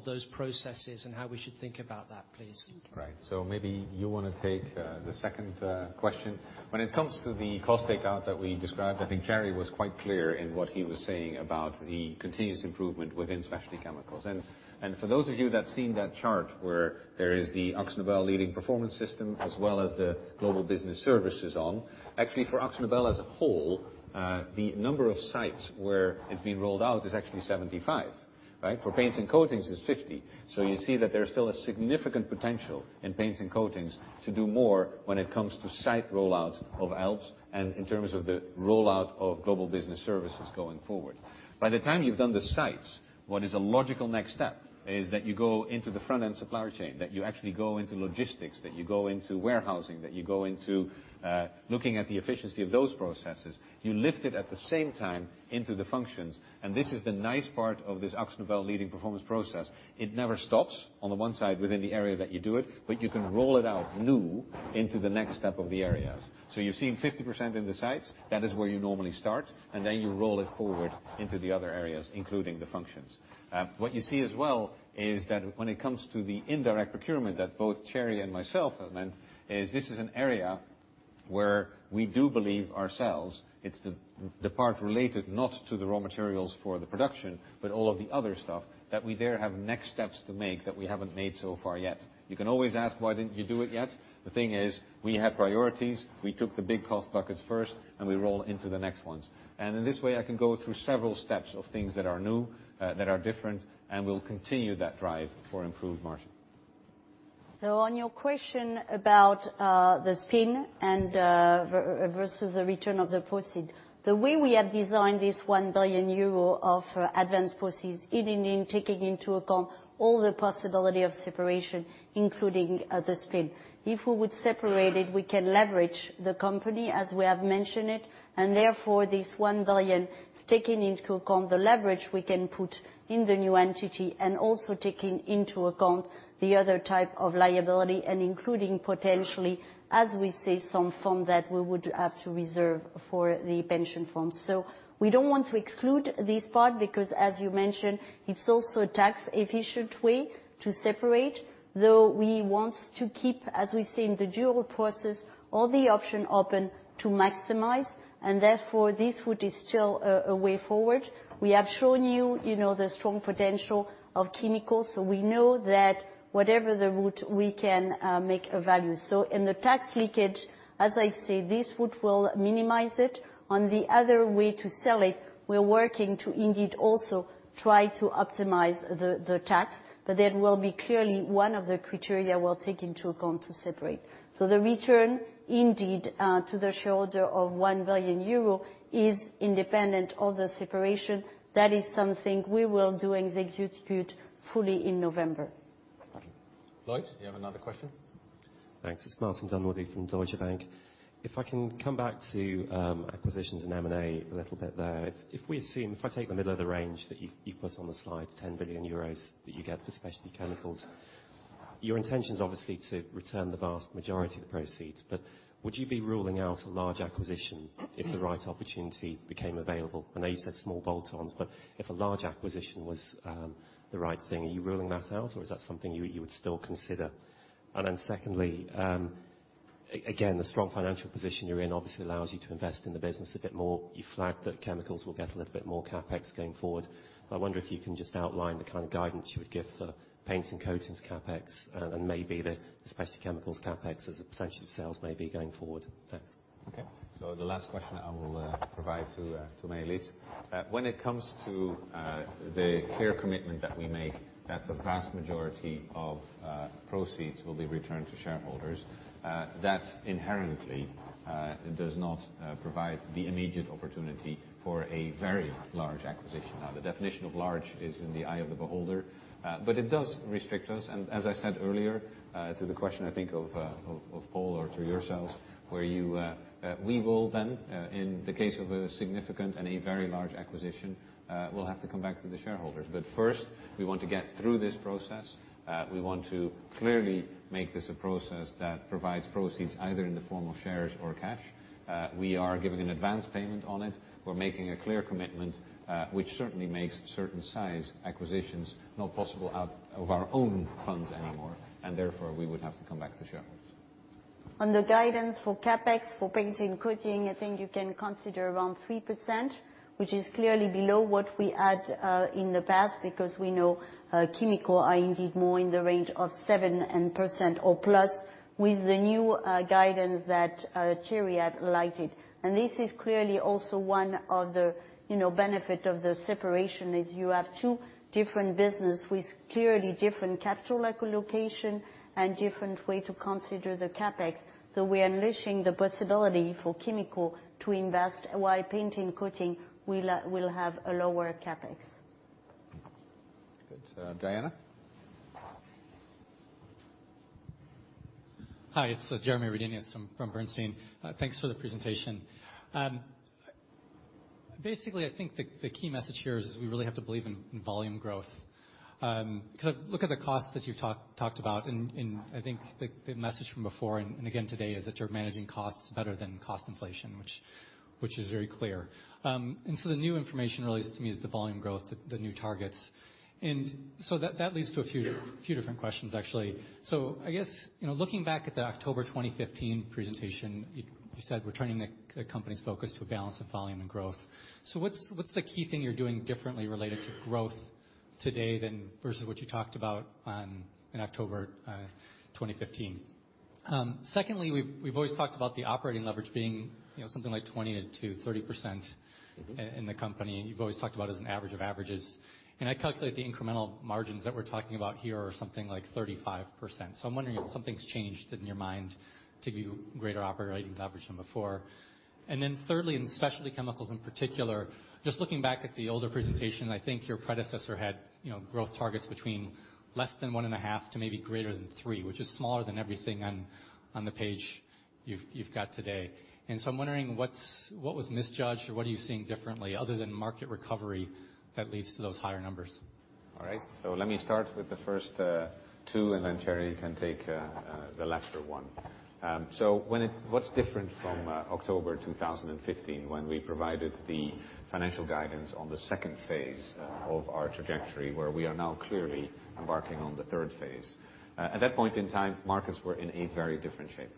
those processes and how we should think about that, please? Right. Maybe you want to take the second question. When it comes to the cost takeout that we described, I think Thierry was quite clear in what he was saying about the continuous improvement within Specialty Chemicals. For those of you that seen that chart where there is the AkzoNobel Leading Performance System as well as the Global Business Services on, actually for AkzoNobel as a whole, the number of sites where it's been rolled out is actually 75, right? For Paints and Coatings is 50. You see that there's still a significant potential in Paints and Coatings to do more when it comes to site rollouts of ALPS and in terms of the rollout of Global Business Services going forward. By the time you've done the sites, what is a logical next step is that you go into the front-end supply chain, that you actually go into logistics, that you go into warehousing, that you go into looking at the efficiency of those processes. You lift it at the same time into the functions. This is the nice part of this AkzoNobel Leading Performance process. It never stops on the one side within the area that you do it, but you can roll it out new into the next step of the areas. You're seeing 50% in the sites. That is where you normally start, and then you roll it forward into the other areas, including the functions. What you see as well is that when it comes to the indirect procurement that both Thierry and myself have meant is this is an area where we do believe ourselves. It's the part related not to the raw materials for the production, but all of the other stuff that we there have next steps to make that we haven't made so far yet. You can always ask, why didn't you do it yet? The thing is, we have priorities. We took the big cost buckets first, and we roll into the next ones. In this way, I can go through several steps of things that are new, that are different, and we'll continue that drive for improved margin. On your question about the spin versus the return of the proceed. The way we have designed this 1 billion euro of advance proceeds, even in taking into account all the possibility of separation, including the spin. If we would separate it, we can leverage the company as we have mentioned it, and therefore this 1 billion is taken into account the leverage we can put in the new entity and also taking into account the other type of liability and including potentially, as we say, some fund that we would have to reserve for the pension fund. We don't want to exclude this part because as you mentioned, it's also a tax efficient way to separate, though we want to keep, as we say, in the dual process, all the option open to maximize, and therefore, this route is still a way forward. We have shown you the strong potential of chemicals, we know that whatever the route, we can make a value. In the tax leakage, as I say, this route will minimize it. On the other way to sell it, we're working to indeed also try to optimize the tax, that will be clearly one of the criteria we'll take into account to separate. The return indeed, to the shareholder of 1 billion euro is independent of the separation. That is something we will do and execute fully in November. Lloyd, you have another question? Thanks. It's Martin Dunwoodie from Deutsche Bank. If I can come back to acquisitions and M&A a little bit there. If I take the middle of the range that you've put on the slide, 10 billion euros that you get for Specialty Chemicals, your intention's obviously to return the vast majority of the proceeds. Would you be ruling out a large acquisition if the right opportunity became available? I know you said small bolt-ons. If a large acquisition was the right thing, are you ruling that out or is that something you would still consider? Secondly, again, the strong financial position you're in obviously allows you to invest in the business a bit more. You flagged that chemicals will get a little bit more CapEx going forward. I wonder if you can just outline the kind of guidance you would give for Paints and Coatings CapEx, and maybe the Specialty Chemicals CapEx as the percentage of sales may be going forward. Thanks. Okay. The last question I will provide to Maëlys. When it comes to the clear commitment that we make that the vast majority of proceeds will be returned to shareholders, that inherently does not provide the immediate opportunity for a very large acquisition. The definition of large is in the eye of the beholder. It does restrict us, and as I said earlier, to the question I think of Paul or to yourselves, where we will then, in the case of a significant and a very large acquisition, we'll have to come back to the shareholders. First, we want to get through this process. We want to clearly make this a process that provides proceeds either in the form of shares or cash. We are giving an advance payment on it. We're making a clear commitment, which certainly makes certain size acquisitions not possible out of our own funds anymore. Therefore, we would have to come back to shareholders. On the guidance for CapEx for Paints and Coatings, I think you can consider around 3%, which is clearly below what we had in the past because we know Specialty Chemicals are indeed more in the range of 7% or plus with the new guidance that Thierry had lighted. This is clearly also one of the benefits of the separation is you have two different businesses with clearly different capital allocation and different way to consider the CapEx. We are unleashing the possibility for Specialty Chemicals to invest while Paints and Coatings will have a lower CapEx. Good. Diana? Hi, it's Jeremy Redenius from Bernstein. Thanks for the presentation. Basically, I think the key message here is we really have to believe in volume growth. Look at the costs that you've talked about. I think the message from before, and again today, is that you're managing costs better than cost inflation, which is very clear. The new information really is the volume growth, the new targets. That leads to a few different questions, actually. I guess, looking back at the October 2015 presentation, you said returning the company's focus to a balance of volume and growth. What's the key thing you're doing differently related to growth today versus what you talked about in October 2015? Secondly, we've always talked about the operating leverage being something like 20%-30% in the company. You've always talked about as an average of averages, and I calculate the incremental margins that we're talking about here are something like 35%. I'm wondering if something's changed in your mind to give you greater operating leverage than before. Thirdly, in Specialty Chemicals in particular, just looking back at the older presentation, I think your predecessor had growth targets between less than one and a half to maybe greater than three, which is smaller than everything on the page you've got today. I'm wondering what was misjudged or what are you seeing differently, other than market recovery, that leads to those higher numbers? All right. Let me start with the first two. Thierry can take the latter one. What's different from October 2015 when we provided the financial guidance on the second phase of our trajectory, where we are now clearly embarking on the third phase. At that point in time, markets were in a very different shape.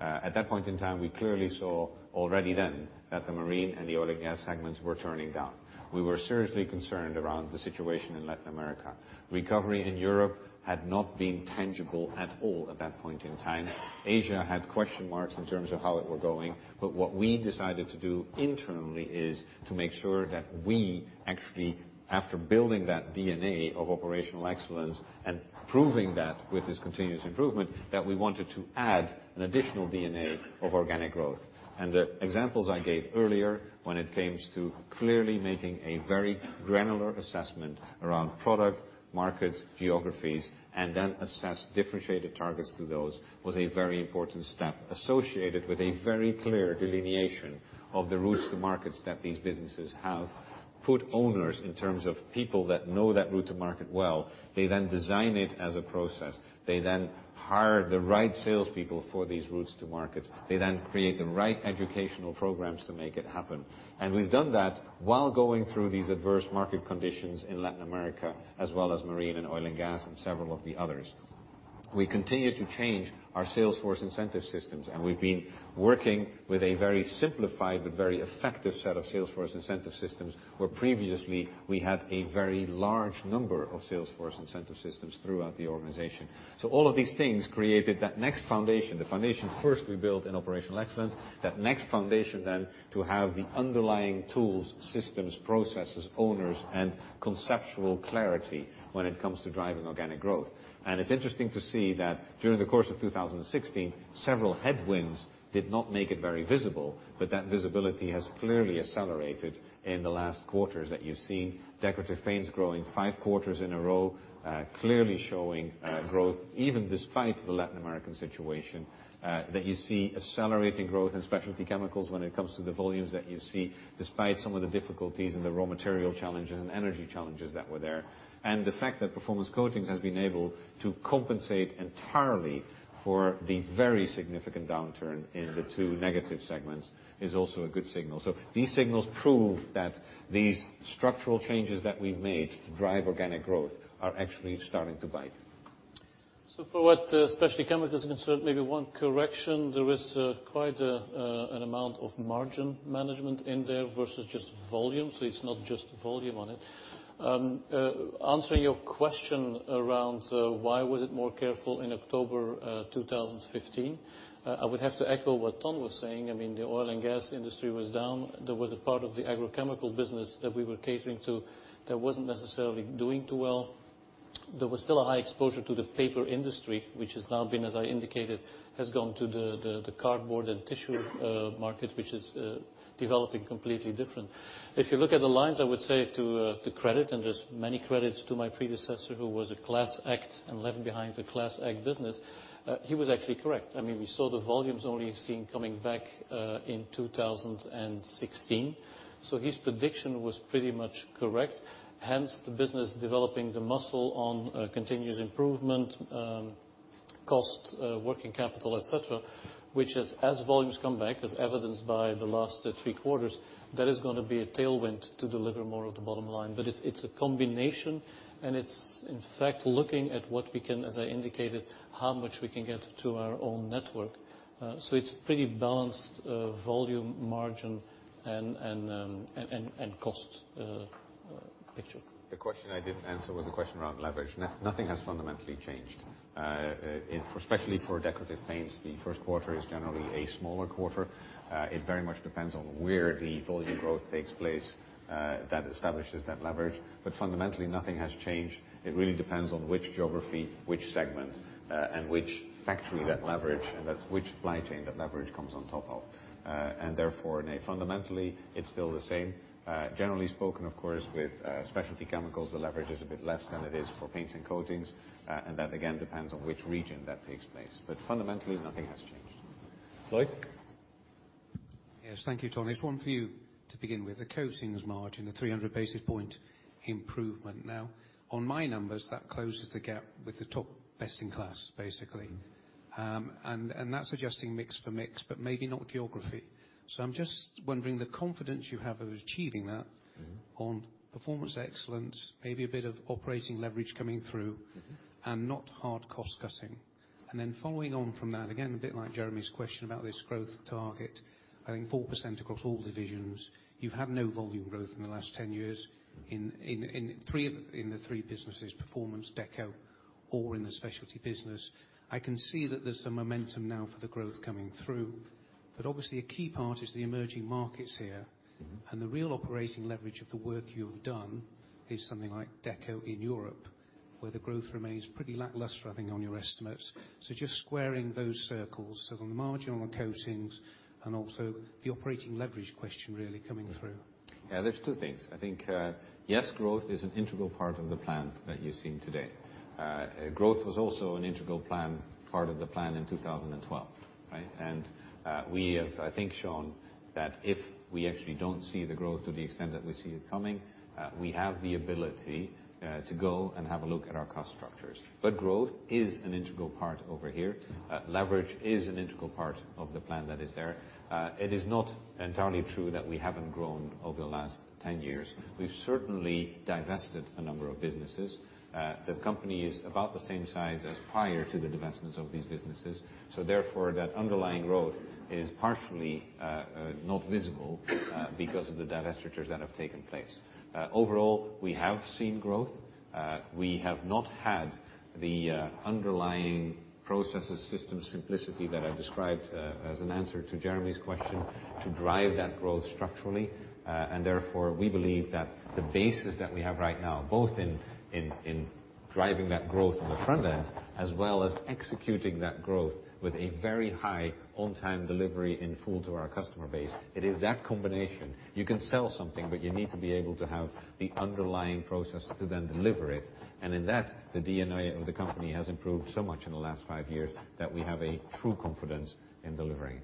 At that point in time, we clearly saw already then that the Marine and the Oil & Gas segments were turning down. We were seriously concerned around the situation in Latin America. Recovery in Europe had not been tangible at all at that point in time. Asia had question marks in terms of how it were going. What we decided to do internally is to make sure that we actually, after building that DNA of operational excellence and proving that with this continuous improvement, that we wanted to add an additional DNA of organic growth. The examples I gave earlier when it came to clearly making a very granular assessment around product, markets, geographies, and then assess differentiated targets to those, was a very important step associated with a very clear delineation of the routes to markets that these businesses have, put owners in terms of people that know that route to market well. They design it as a process. They hire the right salespeople for these routes to markets. They create the right educational programs to make it happen. We've done that while going through these adverse market conditions in Latin America, as well as Marine and Oil & Gas and several of the others. We continue to change our salesforce incentive systems. We've been working with a very simplified but very effective set of salesforce incentive systems, where previously we had a very large number of salesforce incentive systems throughout the organization. All of these things created that next foundation, the foundation first we built in operational excellence, that next foundation then to have the underlying tools, systems, processes, owners, and conceptual clarity when it comes to driving organic growth. It's interesting to see that during the course of 2016, several headwinds did not make it very visible, but that visibility has clearly accelerated in the last quarters that you've seen. Decorative Paints growing five quarters in a row, clearly showing growth even despite the Latin American situation. You see accelerating growth in Specialty Chemicals when it comes to the volumes that you see, despite some of the difficulties and the raw material challenges and energy challenges that were there. The fact that Performance Coatings has been able to compensate entirely for the very significant downturn in the two negative segments is also a good signal. These signals prove that these structural changes that we've made to drive organic growth are actually starting to bite. For what Specialty Chemicals is concerned, maybe one correction. There is quite an amount of margin management in there versus just volume, it's not just volume on it. Answering your question around why was it more careful in October 2015? I would have to echo what Ton was saying. I mean, the oil and gas industry was down. There was a part of the agrochemical business that we were catering to that wasn't necessarily doing too well. There was still a high exposure to the paper industry, which has now been, as I indicated, has gone to the cardboard and tissue market, which is developing completely different. If you look at the lines, I would say to credit, and there's many credits to my predecessor, who was a class act and left behind a class act business, he was actually correct. We saw the volumes only coming back in 2016. His prediction was pretty much correct. Hence, the business developing the muscle on continuous improvement, cost, working capital, et cetera, which as volumes come back, as evidenced by the last three quarters, that is going to be a tailwind to deliver more of the bottom line. It's a combination, and it's in fact looking at what we can, as I indicated, how much we can get to our own network. It's pretty balanced volume, margin, and cost picture. The question I didn't answer was the question around leverage. Nothing has fundamentally changed. Especially for Decorative Paints, the first quarter is generally a smaller quarter. It very much depends on where the volume growth takes place that establishes that leverage. Fundamentally, nothing has changed. It really depends on which geography, which segment, and which factory that leverage, and that's which supply chain that leverage comes on top of. Therefore, fundamentally, it's still the same. Generally spoken, of course, with Specialty Chemicals, the leverage is a bit less than it is for Paints and Coatings. That, again, depends on which region that takes place. Fundamentally, nothing has changed. Lloyd? Yes. Thank you, Ton. It's one for you to begin with. The coatings margin, the 300 basis point improvement. On my numbers, that closes the gap with the top best-in-class, basically. That's suggesting mix for mix, but maybe not geography. I'm just wondering the confidence you have of achieving that. On performance excellence, maybe a bit of operating leverage coming through. Not hard cost cutting. Following on from that, again, a bit like Jeremy's question about this growth target, I think 4% across all divisions. You've had no volume growth in the last 10 years in the three businesses, Performance Coatings, Decorative Paints, or in the Specialty Chemicals business. I can see that there's some momentum now for the growth coming through, but obviously, a key part is the emerging markets here. The real operating leverage of the work you've done is something like Deco in Europe, where the growth remains pretty lackluster, I think, on your estimates. Just squaring those circles. On the margin, on the coatings, and also the operating leverage question really coming through. Yeah, there's two things. I think, yes, growth is an integral part of the plan that you've seen today. Growth was also an integral part of the plan in 2012, right? We have, I think, shown that if we actually don't see the growth to the extent that we see it coming, we have the ability to go and have a look at our cost structures. Growth is an integral part over here. Leverage is an integral part of the plan that is there. It is not entirely true that we haven't grown over the last 10 years. We've certainly divested a number of businesses. The company is about the same size as prior to the divestments of these businesses, so therefore, that underlying growth is partially not visible because of the divestitures that have taken place. Overall, we have seen growth. We have not had the underlying processes, systems, simplicity that I described as an answer to Jeremy's question to drive that growth structurally. Therefore, we believe that the basis that we have right now, both in driving that growth on the front end, as well as executing that growth with a very high on-time delivery in full to our customer base, it is that combination. You can sell something, but you need to be able to have the underlying process to then deliver it. In that, the DNA of the company has improved so much in the last five years that we have a true confidence in delivering. Yeah.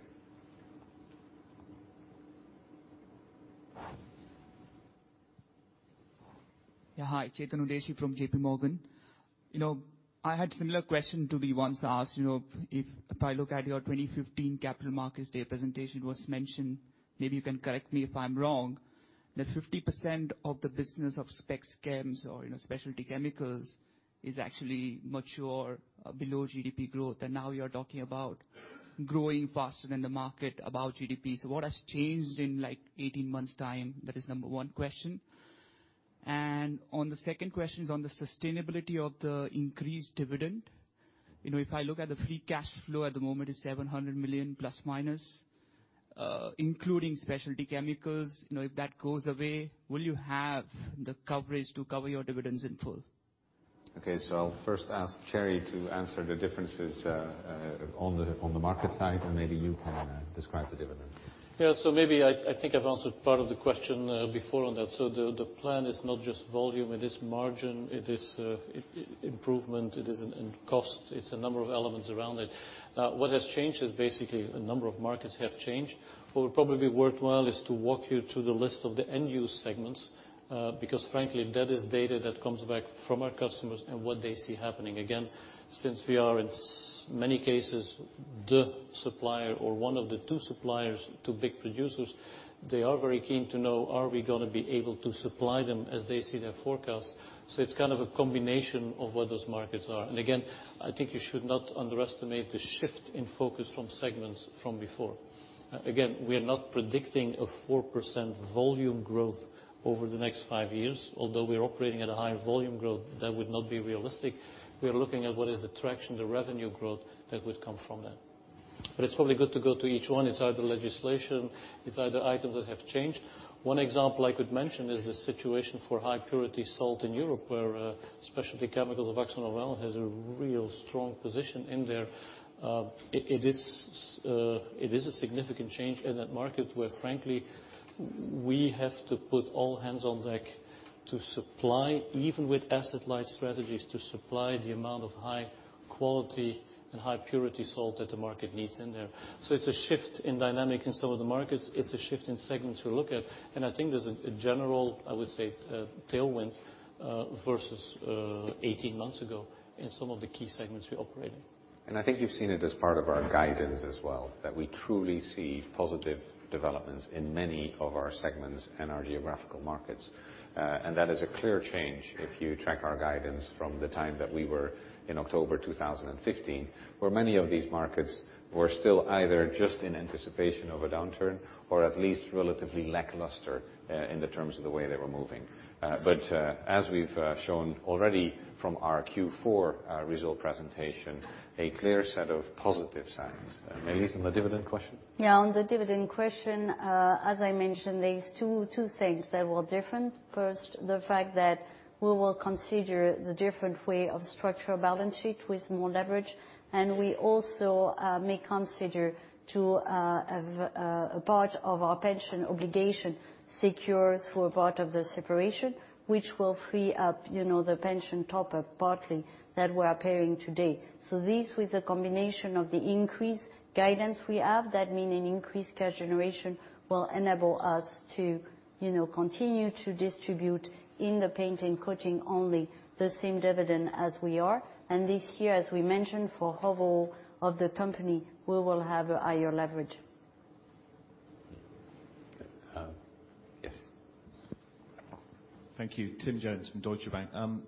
Hi. Chetan Udeshi from J.P. Morgan. I had similar question to the ones asked. If I look at your 2015 capital markets, their presentation was mentioned, maybe you can correct me if I'm wrong, that 50% of the business of specs chems or Specialty Chemicals is actually mature below GDP growth. Now you're talking about growing faster than the market about GDP. What has changed in 18 months' time? That is number 1 question. The second question is on the sustainability of the increased dividend. If I look at the free cash flow at the moment, it's 700 million plus or minus, including Specialty Chemicals. If that goes away, will you have the coverage to cover your dividends in full? Okay. I'll first ask Thierry to answer the differences on the market side, and maybe you can describe the dividend. Yeah. Maybe I think I've answered part of the question before on that. The plan is not just volume, it is margin, it is improvement, it is in cost. It's a number of elements around it. What has changed is basically a number of markets have changed. What would probably be worthwhile is to walk you through the list of the end use segments, because frankly, that is data that comes back from our customers and what they see happening. Again, since we are, in many cases, the supplier or one of the two suppliers to big producers, they are very keen to know are we going to be able to supply them as they see their forecast. It's kind of a combination of what those markets are. Again, I think you should not underestimate the shift in focus from segments from before. Again, we are not predicting a 4% volume growth over the next five years, although we are operating at a higher volume growth. That would not be realistic. We are looking at what is the traction, the revenue growth that would come from it. It's probably good to go to each one. It's either legislation. It's either items that have changed. One example I could mention is the situation for high purity salt in Europe, where Specialty Chemicals of AkzoNobel has a real strong position in there. It is a significant change in that market where, frankly, we have to put all hands on deck to supply, even with asset-light strategies, to supply the amount of high quality and high purity salt that the market needs in there. It's a shift in dynamic in some of the markets. It's a shift in segments we look at, I think there's a general, I would say, tailwind, versus 18 months ago in some of the key segments we operate in. I think you've seen it as part of our guidance as well, that we truly see positive developments in many of our segments and our geographical markets. That is a clear change if you track our guidance from the time that we were in October 2015, where many of these markets were still either just in anticipation of a downturn or at least relatively lackluster in the terms of the way they were moving. As we've shown already from our Q4 result presentation, a clear set of positive signs. Maëlys, on the dividend question? On the dividend question, as I mentioned, there is two things that were different. First, the fact that we will consider the different way of structure of balance sheet with more leverage. We also may consider to a part of our pension obligation secures for part of the separation, which will free up the pension top-up partly that we are paying today. This, with the combination of the increased guidance we have, that mean an increased cash generation will enable us to continue to distribute in the painting and coating only the same dividend as we are. This year, as we mentioned, for whole of the company, we will have a higher leverage. Yes. Thank you. Tim Jones from Deutsche Bank. I'm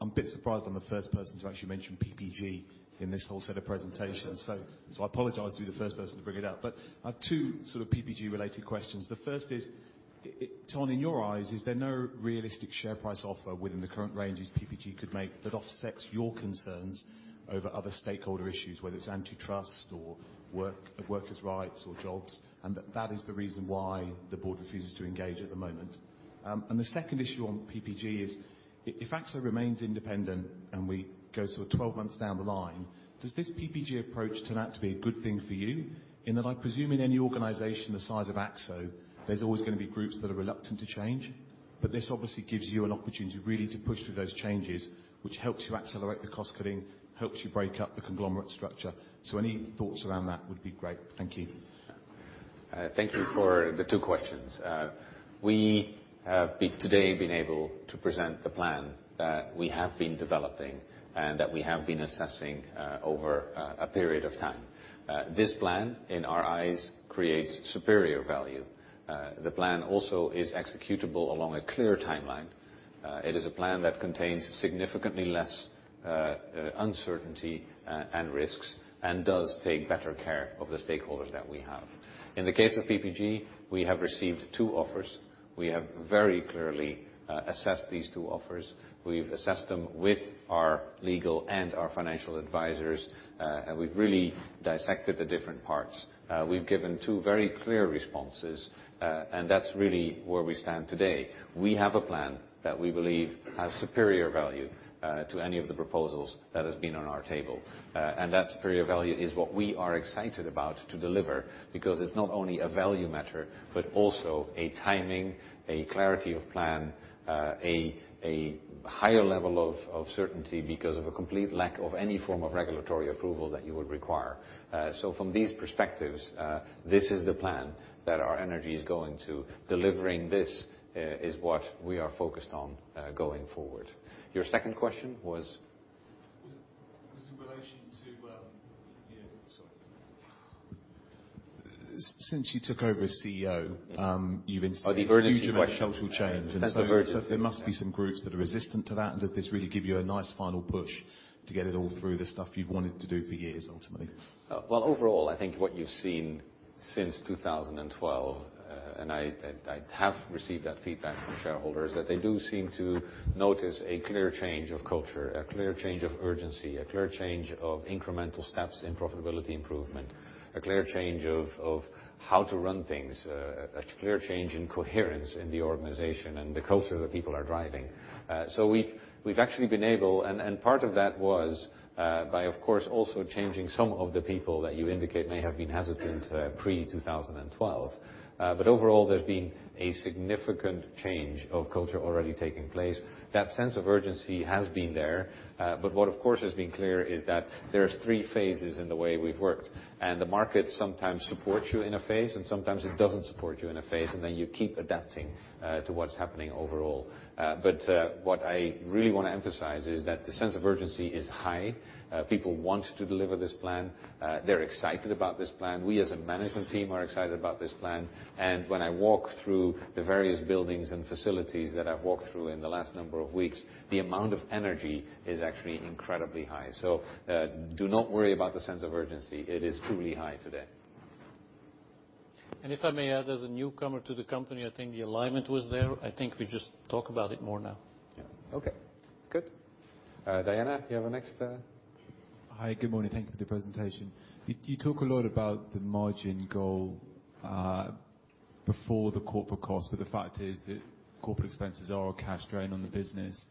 a bit surprised I'm the first person to actually mention PPG in this whole set of presentations. I apologize to be the first person to bring it up. I have two sort of PPG-related questions. The first is, Ton, in your eyes, is there no realistic share price offer within the current ranges PPG could make that offsets your concerns over other stakeholder issues, whether it's antitrust or workers' rights or jobs, and that that is the reason why the board refuses to engage at the moment? The second issue on PPG is, if Akzo remains independent and we go sort of 12 months down the line, does this PPG approach turn out to be a good thing for you? In that I presume in any organization the size of Akzo, there's always going to be groups that are reluctant to change. This obviously gives you an opportunity really to push through those changes, which helps you accelerate the cost-cutting, helps you break up the conglomerate structure. Any thoughts around that would be great. Thank you. Thank you for the two questions. We have today been able to present the plan that we have been developing and that we have been assessing over a period of time. This plan, in our eyes, creates superior value. The plan also is executable along a clear timeline. It is a plan that contains significantly less uncertainty and risks and does take better care of the stakeholders that we have. In the case of PPG, we have received two offers. We have very clearly assessed these two offers. We've assessed them with our legal and our financial advisors, and we've really dissected the different parts. We've given two very clear responses, and that's really where we stand today. We have a plan that we believe has superior value to any of the proposals that has been on our table. That superior value is what we are excited about to deliver because it's not only a value matter, but also a timing, a clarity of plan, a higher level of certainty because of a complete lack of any form of regulatory approval that you would require. From these perspectives, this is the plan that our energy is going to delivering. This is what we are focused on going forward. Your second question was? It was in relation to Sorry. Since you took over as CEO, you've instigated- Oh, the urgency question huge amount of cultural change. Sense of urgency. There must be some groups that are resistant to that. Does this really give you a nice final push to get it all through the stuff you've wanted to do for years, ultimately? Overall, I think what you've seen since 2012, and I have received that feedback from shareholders, that they do seem to notice a clear change of culture, a clear change of urgency, a clear change of incremental steps in profitability improvement, a clear change of how to run things, a clear change in coherence in the organization and the culture that people are driving. We've actually been able, and part of that was by, of course, also changing some of the people that you indicate may have been hesitant pre-2012. Overall, there's been a significant change of culture already taking place. That sense of urgency has been there. What of course has been clear is that there's three phases in the way we've worked. The market sometimes supports you in a phase, and sometimes it doesn't support you in a phase, and then you keep adapting to what's happening overall. What I really want to emphasize is that the sense of urgency is high. People want to deliver this plan. They're excited about this plan. We as a management team are excited about this plan. When I walk through the various buildings and facilities that I've walked through in the last number of weeks, the amount of energy is actually incredibly high. Do not worry about the sense of urgency. It is truly high today. If I may add, as a newcomer to the company, I think the alignment was there. I think we just talk about it more now. Yeah. Okay. Good. Diana, you have the next? Hi, good morning. Thank you for the presentation. You talk a lot about the margin goal before the corporate cost, the fact is that corporate expenses are a cash drain on the business.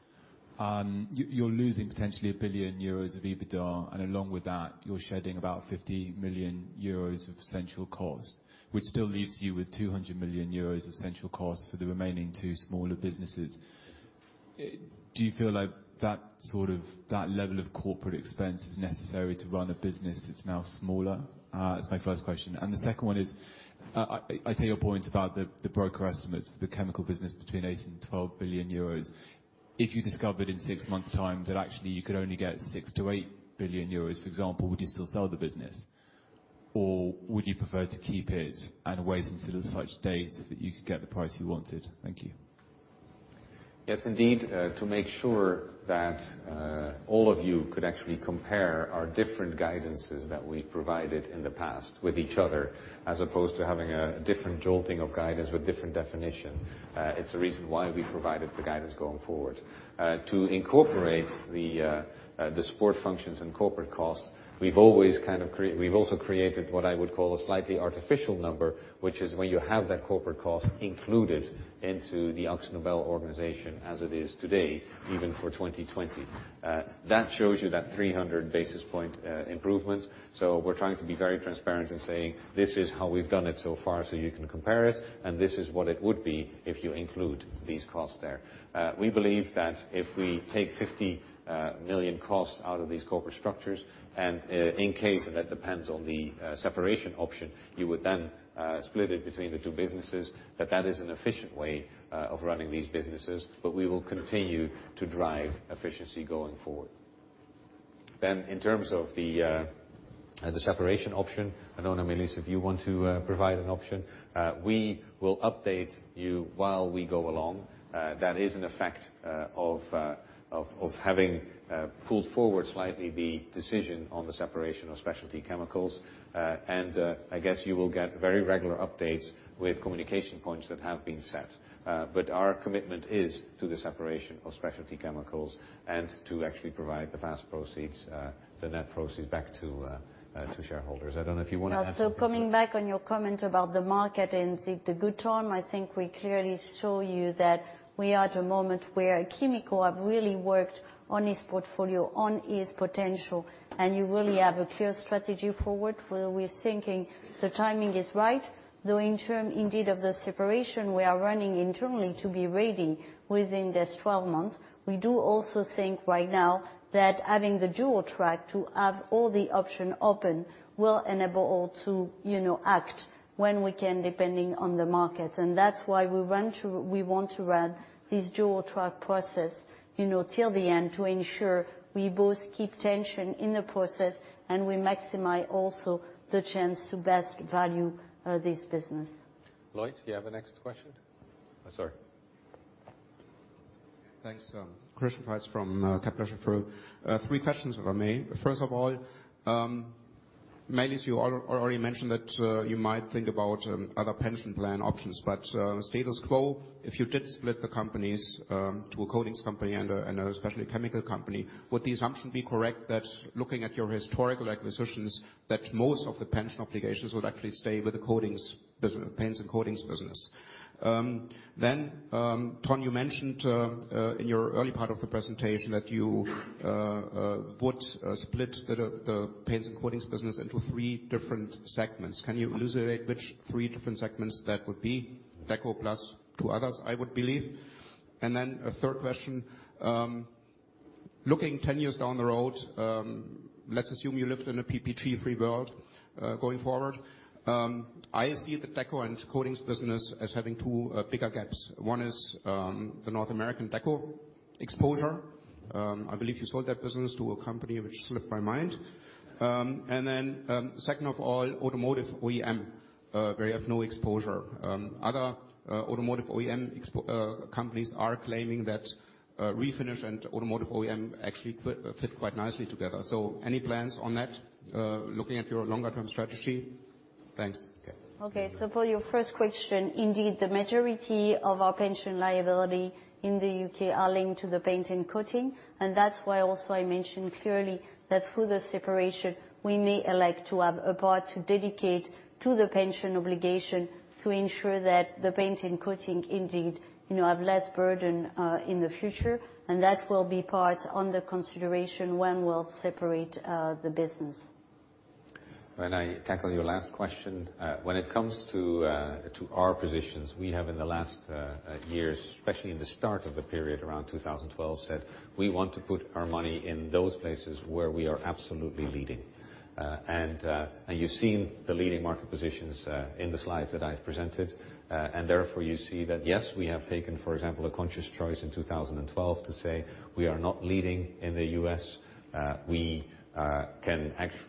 You're losing potentially 1 billion euros of EBITDA, and along with that, you're shedding about 50 million euros of central cost, which still leaves you with 200 million euros of central cost for the remaining two smaller businesses. Do you feel like that level of corporate expense is necessary to run a business that's now smaller? That's my first question. The second one is, I hear your point about the broker estimates for the Specialty Chemicals business between 8 billion and 12 billion euros. If you discovered in six months' time that actually you could only get 6 billion-8 billion euros, for example, would you still sell the business? Would you prefer to keep it and wait until such date that you could get the price you wanted? Thank you. Yes, indeed. To make sure that all of you could actually compare our different guidances that we've provided in the past with each other, as opposed to having a different jolting of guidance with different definition. It's the reason why we provided the guidance going forward. To incorporate the support functions and corporate costs, we've also created what I would call a slightly artificial number, which is when you have that corporate cost included into the AkzoNobel organization as it is today, even for 2020. That shows you that 300 basis point improvements. We're trying to be very transparent in saying, this is how we've done it so far, so you can compare it, and this is what it would be if you include these costs there. We believe that if we take 50 million costs out of these corporate structures, and in case that depends on the separation option, you would then split it between the two businesses, that that is an efficient way of running these businesses, but we will continue to drive efficiency going forward. In terms of the separation option, I don't know, Maëlys, if you want to provide an option. We will update you while we go along. That is an effect of having pulled forward slightly the decision on the separation of Specialty Chemicals. I guess you will get very regular updates with communication points that have been set. Our commitment is to the separation of Specialty Chemicals and to actually provide the fast proceeds, the net proceeds back to shareholders. I don't know if you want to add something to that. Coming back on your comment about the market and the good time, I think we clearly show you that we are at a moment where Specialty Chemicals have really worked on its portfolio, on its potential, and you really have a clear strategy forward where we're thinking the timing is right, though in terms, indeed, of the separation, we are running internally to be ready within this 12 months. We do also think right now that having the dual track to have all the option open will enable to act when we can, depending on the market. That's why we want to run this dual track process till the end to ensure we both keep tension in the process and we maximize also the chance to best value this business. Lloyd, do you have a next question? Sorry. Thanks. Christian Faitz from. Three questions, if I may. First of all, Maëlys, you already mentioned that you might think about other pension plan options, but status quo, if you did split the companies to a coatings company and a specialty chemical company, would the assumption be correct that looking at your historical acquisitions, that most of the pension obligations would actually stay with the Paints and Coatings business? Ton, you mentioned in your early part of the presentation that you would split the Paints and Coatings business into three different segments. Can you elucidate which three different segments that would be? Deco plus two others, I would believe. A third question. Looking 10 years down the road, let's assume you lived in a PPG-free world going forward. I see the deco and coatings business as having two bigger gaps. One is the North American deco exposure. I believe you sold that business to a company which slipped my mind. Second of all, automotive OEM, where you have no exposure. Other automotive OEM companies are claiming that refinish and automotive OEM actually fit quite nicely together. Any plans on that, looking at your longer term strategy? Thanks. For your first question, indeed, the majority of our pension liability in the U.K. are linked to the paint and coating. That's why also I mentioned clearly that through the separation, we may like to have a part to dedicate to the pension obligation to ensure that the paint and coating indeed have less burden in the future. That will be part under consideration when we'll separate the business. When I tackle your last question, when it comes to our positions, we have in the last years, especially in the start of the period around 2012, said we want to put our money in those places where we are absolutely leading. You've seen the leading market positions in the slides that I've presented. Therefore, you see that, yes, we have taken, for example, a conscious choice in 2012 to say we are not leading in the U.S.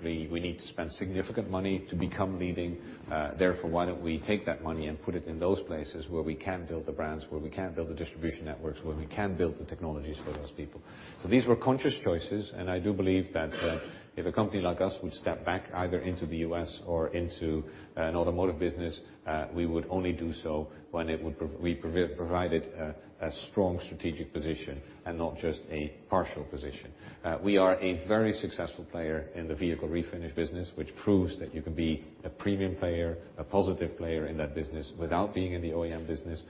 We need to spend significant money to become leading. Therefore, why don't we take that money and put it in those places where we can build the brands, where we can build the distribution networks, where we can build the technologies for those people. These were conscious choices, and I do believe that if a company like us would step back either into the U.S. or into an automotive business, we would only do so when we provided a strong strategic position and not just a partial position. We are a very successful player in the vehicle refinish business, which proves that you can be a premium player, a positive player in that business without being in the OEM business.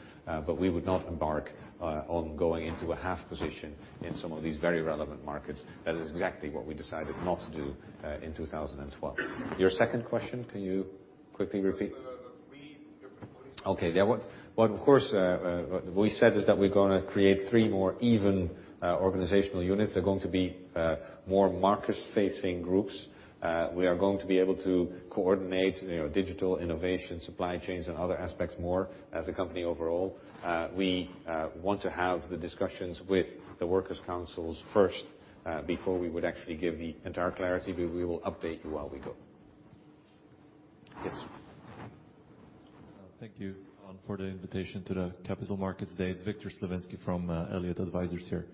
We would not embark on going into a half position in some of these very relevant markets. That is exactly what we decided not to do in 2012. Your second question, can you quickly repeat? The three different points. Okay. What, of course, we said is that we're going to create three more even organizational units. They're going to be more markets facing groups. We are going to be able to coordinate digital innovation, supply chains, and other aspects more as a company overall. We want to have the discussions with the workers' councils first before we would actually give the entire clarity. We will update you while we go. Yes. Thank you for the invitation to the Capital Markets Day. It's Victor Slavinski from Elliott Advisors here.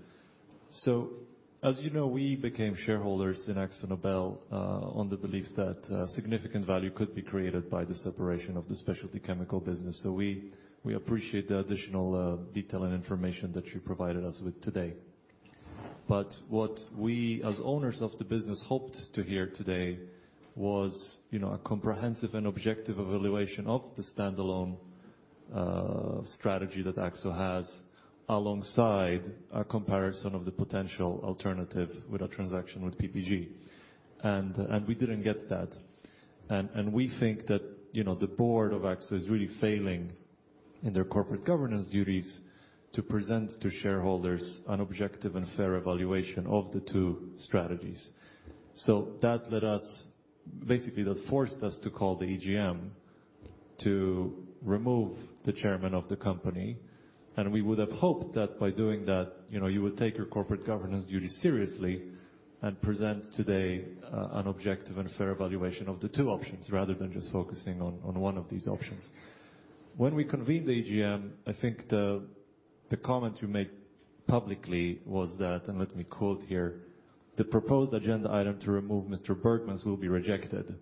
As you know, we became shareholders in AkzoNobel on the belief that significant value could be created by the separation of the specialty chemical business. We appreciate the additional detail and information that you provided us with today. What we, as owners of the business, hoped to hear today was a comprehensive and objective evaluation of the standalone strategy that Akzo has alongside a comparison of the potential alternative with a transaction with PPG. We didn't get that. We think that the board of Akzo is really failing in their corporate governance duties to present to shareholders an objective and fair evaluation of the two strategies. That led us, basically, that forced us to call the EGM to remove the Chairman of the company, and we would've hoped that by doing that, you would take your corporate governance duty seriously and present today an objective and fair evaluation of the two options, rather than just focusing on one of these options. When we convened the AGM, I think the comment you made publicly was that, and let me quote here, "The proposed agenda item to remove Mr. Burgmans will be rejected."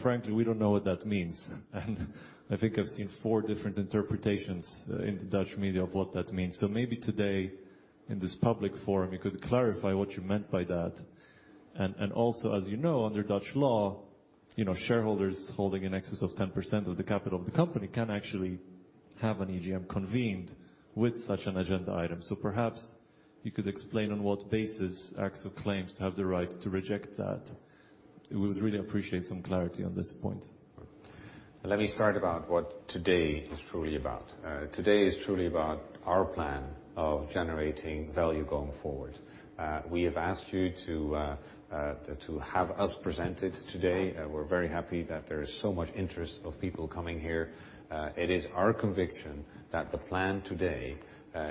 Frankly, we don't know what that means. I think I've seen four different interpretations in the Dutch media of what that means. Maybe today, in this public forum, you could clarify what you meant by that. Also, as you know, under Dutch law, shareholders holding in excess of 10% of the capital of the company can actually have an AGM convened with such an agenda item. Perhaps you could explain on what basis Akzo claims to have the right to reject that. We would really appreciate some clarity on this point. Let me start about what today is truly about. Today is truly about our plan of generating value going forward. We have asked you to have us present it today. We're very happy that there is so much interest of people coming here. It is our conviction that the plan today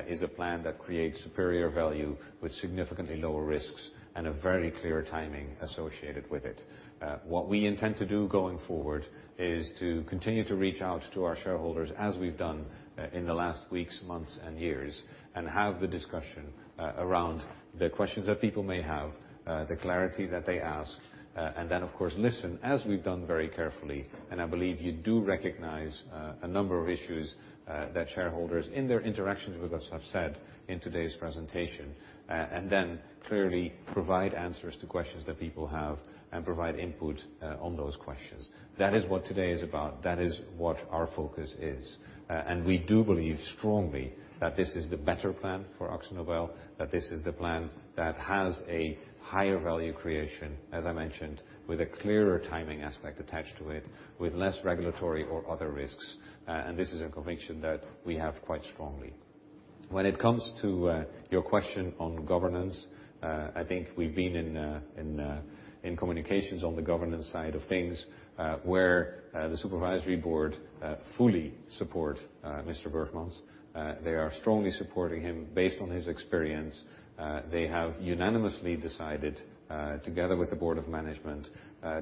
is a plan that creates superior value with significantly lower risks and a very clear timing associated with it. What we intend to do going forward is to continue to reach out to our shareholders as we've done in the last weeks, months, and years, and have the discussion around the questions that people may have, the clarity that they ask. Of course, listen, as we've done very carefully, and I believe you do recognize a number of issues that shareholders, in their interactions with us, have said in today's presentation, and then clearly provide answers to questions that people have and provide input on those questions. That is what today is about. That is what our focus is. We do believe strongly that this is the better plan for AkzoNobel, that this is the plan that has a higher value creation, as I mentioned, with a clearer timing aspect attached to it, with less regulatory or other risks. This is a conviction that we have quite strongly. When it comes to your question on governance, I think we've been in communications on the governance side of things, where the supervisory board fully support Mr. Burgmans. They are strongly supporting him based on his experience. They have unanimously decided, together with the board of management,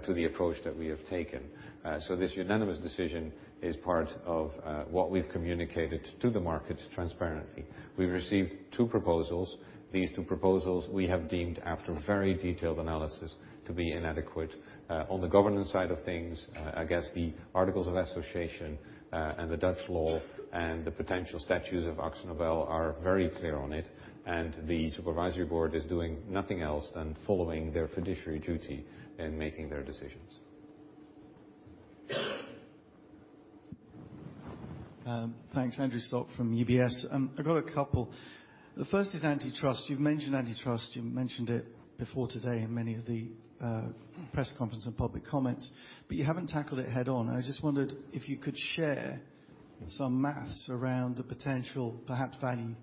to the approach that we have taken. This unanimous decision is part of what we've communicated to the market transparently. We've received two proposals. These two proposals we have deemed, after very detailed analysis, to be inadequate. On the governance side of things, I guess the articles of association and the Dutch law and the potential statutes of AkzoNobel are very clear on it, and the supervisory board is doing nothing else than following their fiduciary duty in making their decisions. Thanks. Andrew Stott from UBS. I've got a couple. The first is antitrust. You've mentioned antitrust. You mentioned it before today in many of the press conference and public comments, but you haven't tackled it head-on, and I just wondered if you could share some math around the potential, perhaps value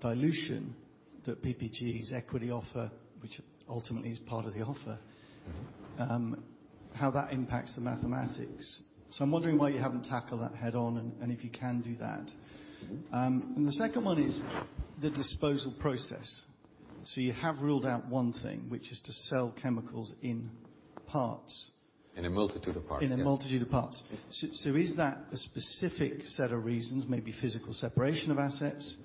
dilution, that PPG's equity offer, which ultimately is part of the offer. How that impacts the math. I'm wondering why you haven't tackled that head-on, and if you can do that. the second one is the disposal process. You have ruled out one thing, which is to sell chemicals in parts. In a multitude of parts, yes. In a multitude of parts. Is that a specific set of reasons, maybe physical separation of assets,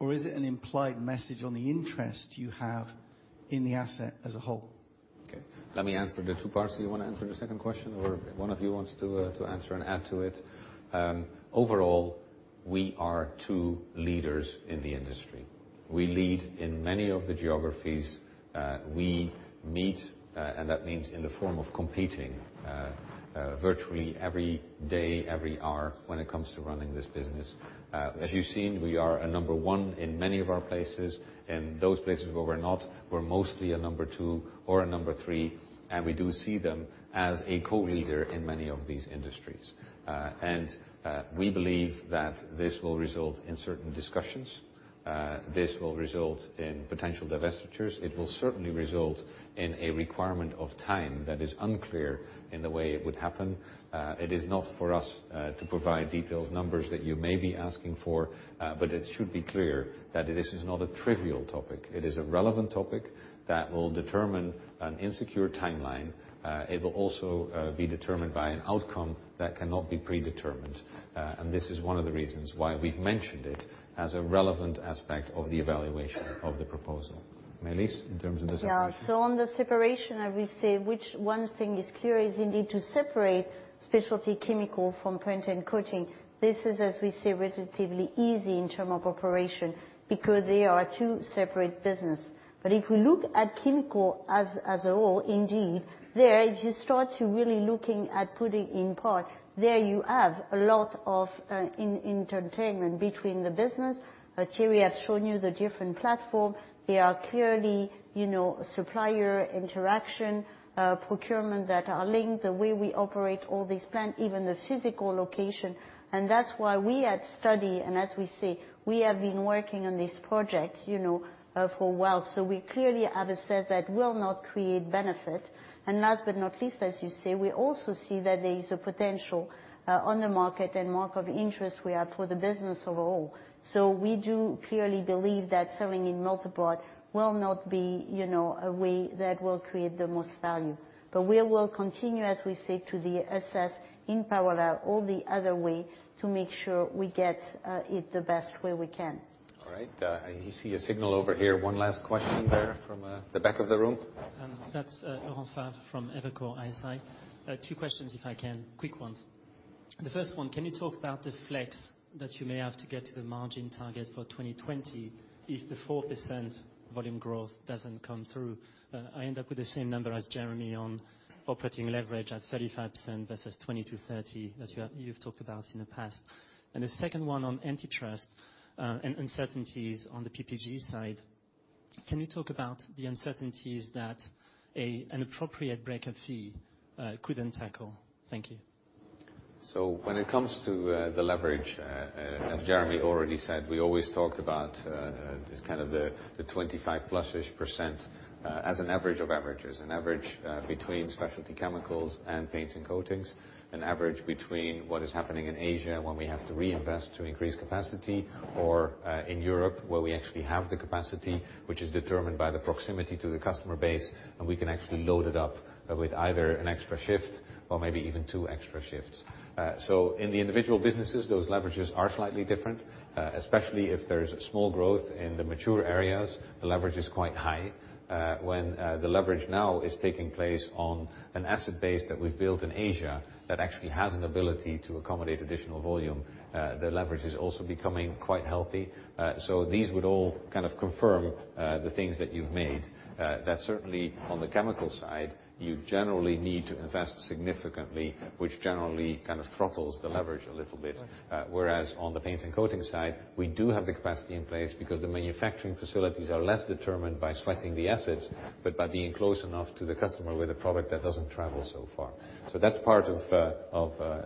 or is it an implied message on the interest you have in the asset as a whole? Okay. Let me answer the two parts. Do you want to answer the second question, or if one of you wants to answer and add to it? Overall, we are two leaders in the industry. We lead in many of the geographies. We meet, and that means in the form of competing, virtually every day, every hour when it comes to running this business. As you've seen, we are a number one in many of our places. In those places where we're not, we're mostly a number two or a number three, and we do see them as a co-leader in many of these industries. We believe that this will result in certain discussions. This will result in potential divestitures. It will certainly result in a requirement of time that is unclear in the way it would happen. It is not for us to provide detailed numbers that you may be asking for, but it should be clear that this is not a trivial topic. It is a relevant topic that will determine an insecure timeline. It will also be determined by an outcome that cannot be predetermined, and this is one of the reasons why we've mentioned it as a relevant aspect of the evaluation of the proposal. Maëlys, in terms of the separation? Yeah. On the separation, as we say, one thing is clear is you need to separate Specialty Chemicals from Paints and Coatings. This is, as we say, relatively easy in terms of operation because they are two separate businesses. If we look at chemical as a whole, indeed, there as you start to really looking at putting in part, there you have a lot of inter-tanglement between the business. Thierry has shown you the different platforms. There are clearly supplier interactions, procurement that is linked, the way we operate all these plants, even the physical location. That's why we had studies, and as we say, we have been working on this project for a while. We clearly have assessed that will not create benefit. Last but not least, as you say, we also see that there is a potential on the market and market of interest we have for the business overall. We do clearly believe that selling in multiple parts will not be a way that will create the most value. We will continue, as we say, to assess in parallel all the other ways to make sure we get it the best way we can. All right. I see a signal over here. One last question there from the back of the room. That's Oren Farb from Evercore ISI. Two questions if I can. Quick ones. The first one, can you talk about the flex that you may have to get to the margin target for 2020 if the 4% volume growth doesn't come through? I end up with the same number as Jeremy on operating leverage at 35% versus 20%-30% that you've talked about in the past. The second one on antitrust, and uncertainties on the PPG side. Can you talk about the uncertainties that an appropriate breakup fee could untangle? Thank you. When it comes to the leverage, as Jeremy already said, we always talked about this kind of the 25 plus-ish percent, as an average of averages. An average between Specialty Chemicals and Paints and Coatings. An average between what is happening in Asia, when we have to reinvest to increase capacity, or in Europe where we actually have the capacity, which is determined by the proximity to the customer base, and we can actually load it up with either an extra shift or maybe even two extra shifts. In the individual businesses, those leverages are slightly different, especially if there's small growth in the mature areas, the leverage is quite high. When the leverage now is taking place on an asset base that we've built in Asia that actually has an ability to accommodate additional volume, the leverage is also becoming quite healthy. These would all kind of confirm the things that you've made. That certainly on the chemical side, you generally need to invest significantly, which generally kind of throttles the leverage a little bit. Whereas on the Paints and Coatings side, we do have the capacity in place because the manufacturing facilities are less determined by sweating the assets, but by being close enough to the customer with a product that doesn't travel so far. That's part of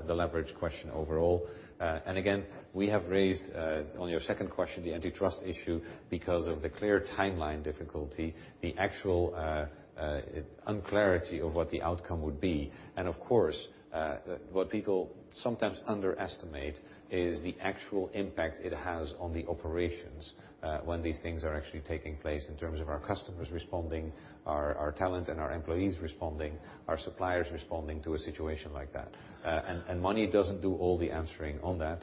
the leverage question overall. Again, we have raised, on your second question, the antitrust issue because of the clear timeline difficulty, the actual unclarity of what the outcome would be. Of course, what people sometimes underestimate is the actual impact it has on the operations when these things are actually taking place in terms of our customers responding, our talent and our employees responding, our suppliers responding to a situation like that. Money doesn't do all the answering on that.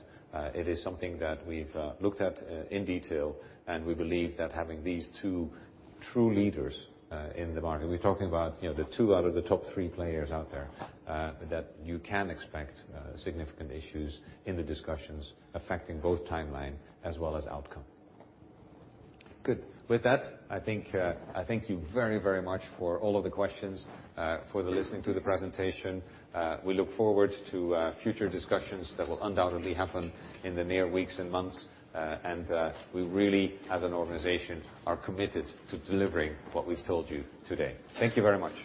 It is something that we've looked at in detail, and we believe that having these two true leaders in the market, we're talking about the two out of the top three players out there, that you can expect significant issues in the discussions affecting both timeline as well as outcome. Good. With that, I thank you very much for all of the questions, for the listening to the presentation. We look forward to future discussions that will undoubtedly happen in the near weeks and months. We really, as an organization, are committed to delivering what we've told you today. Thank you very much.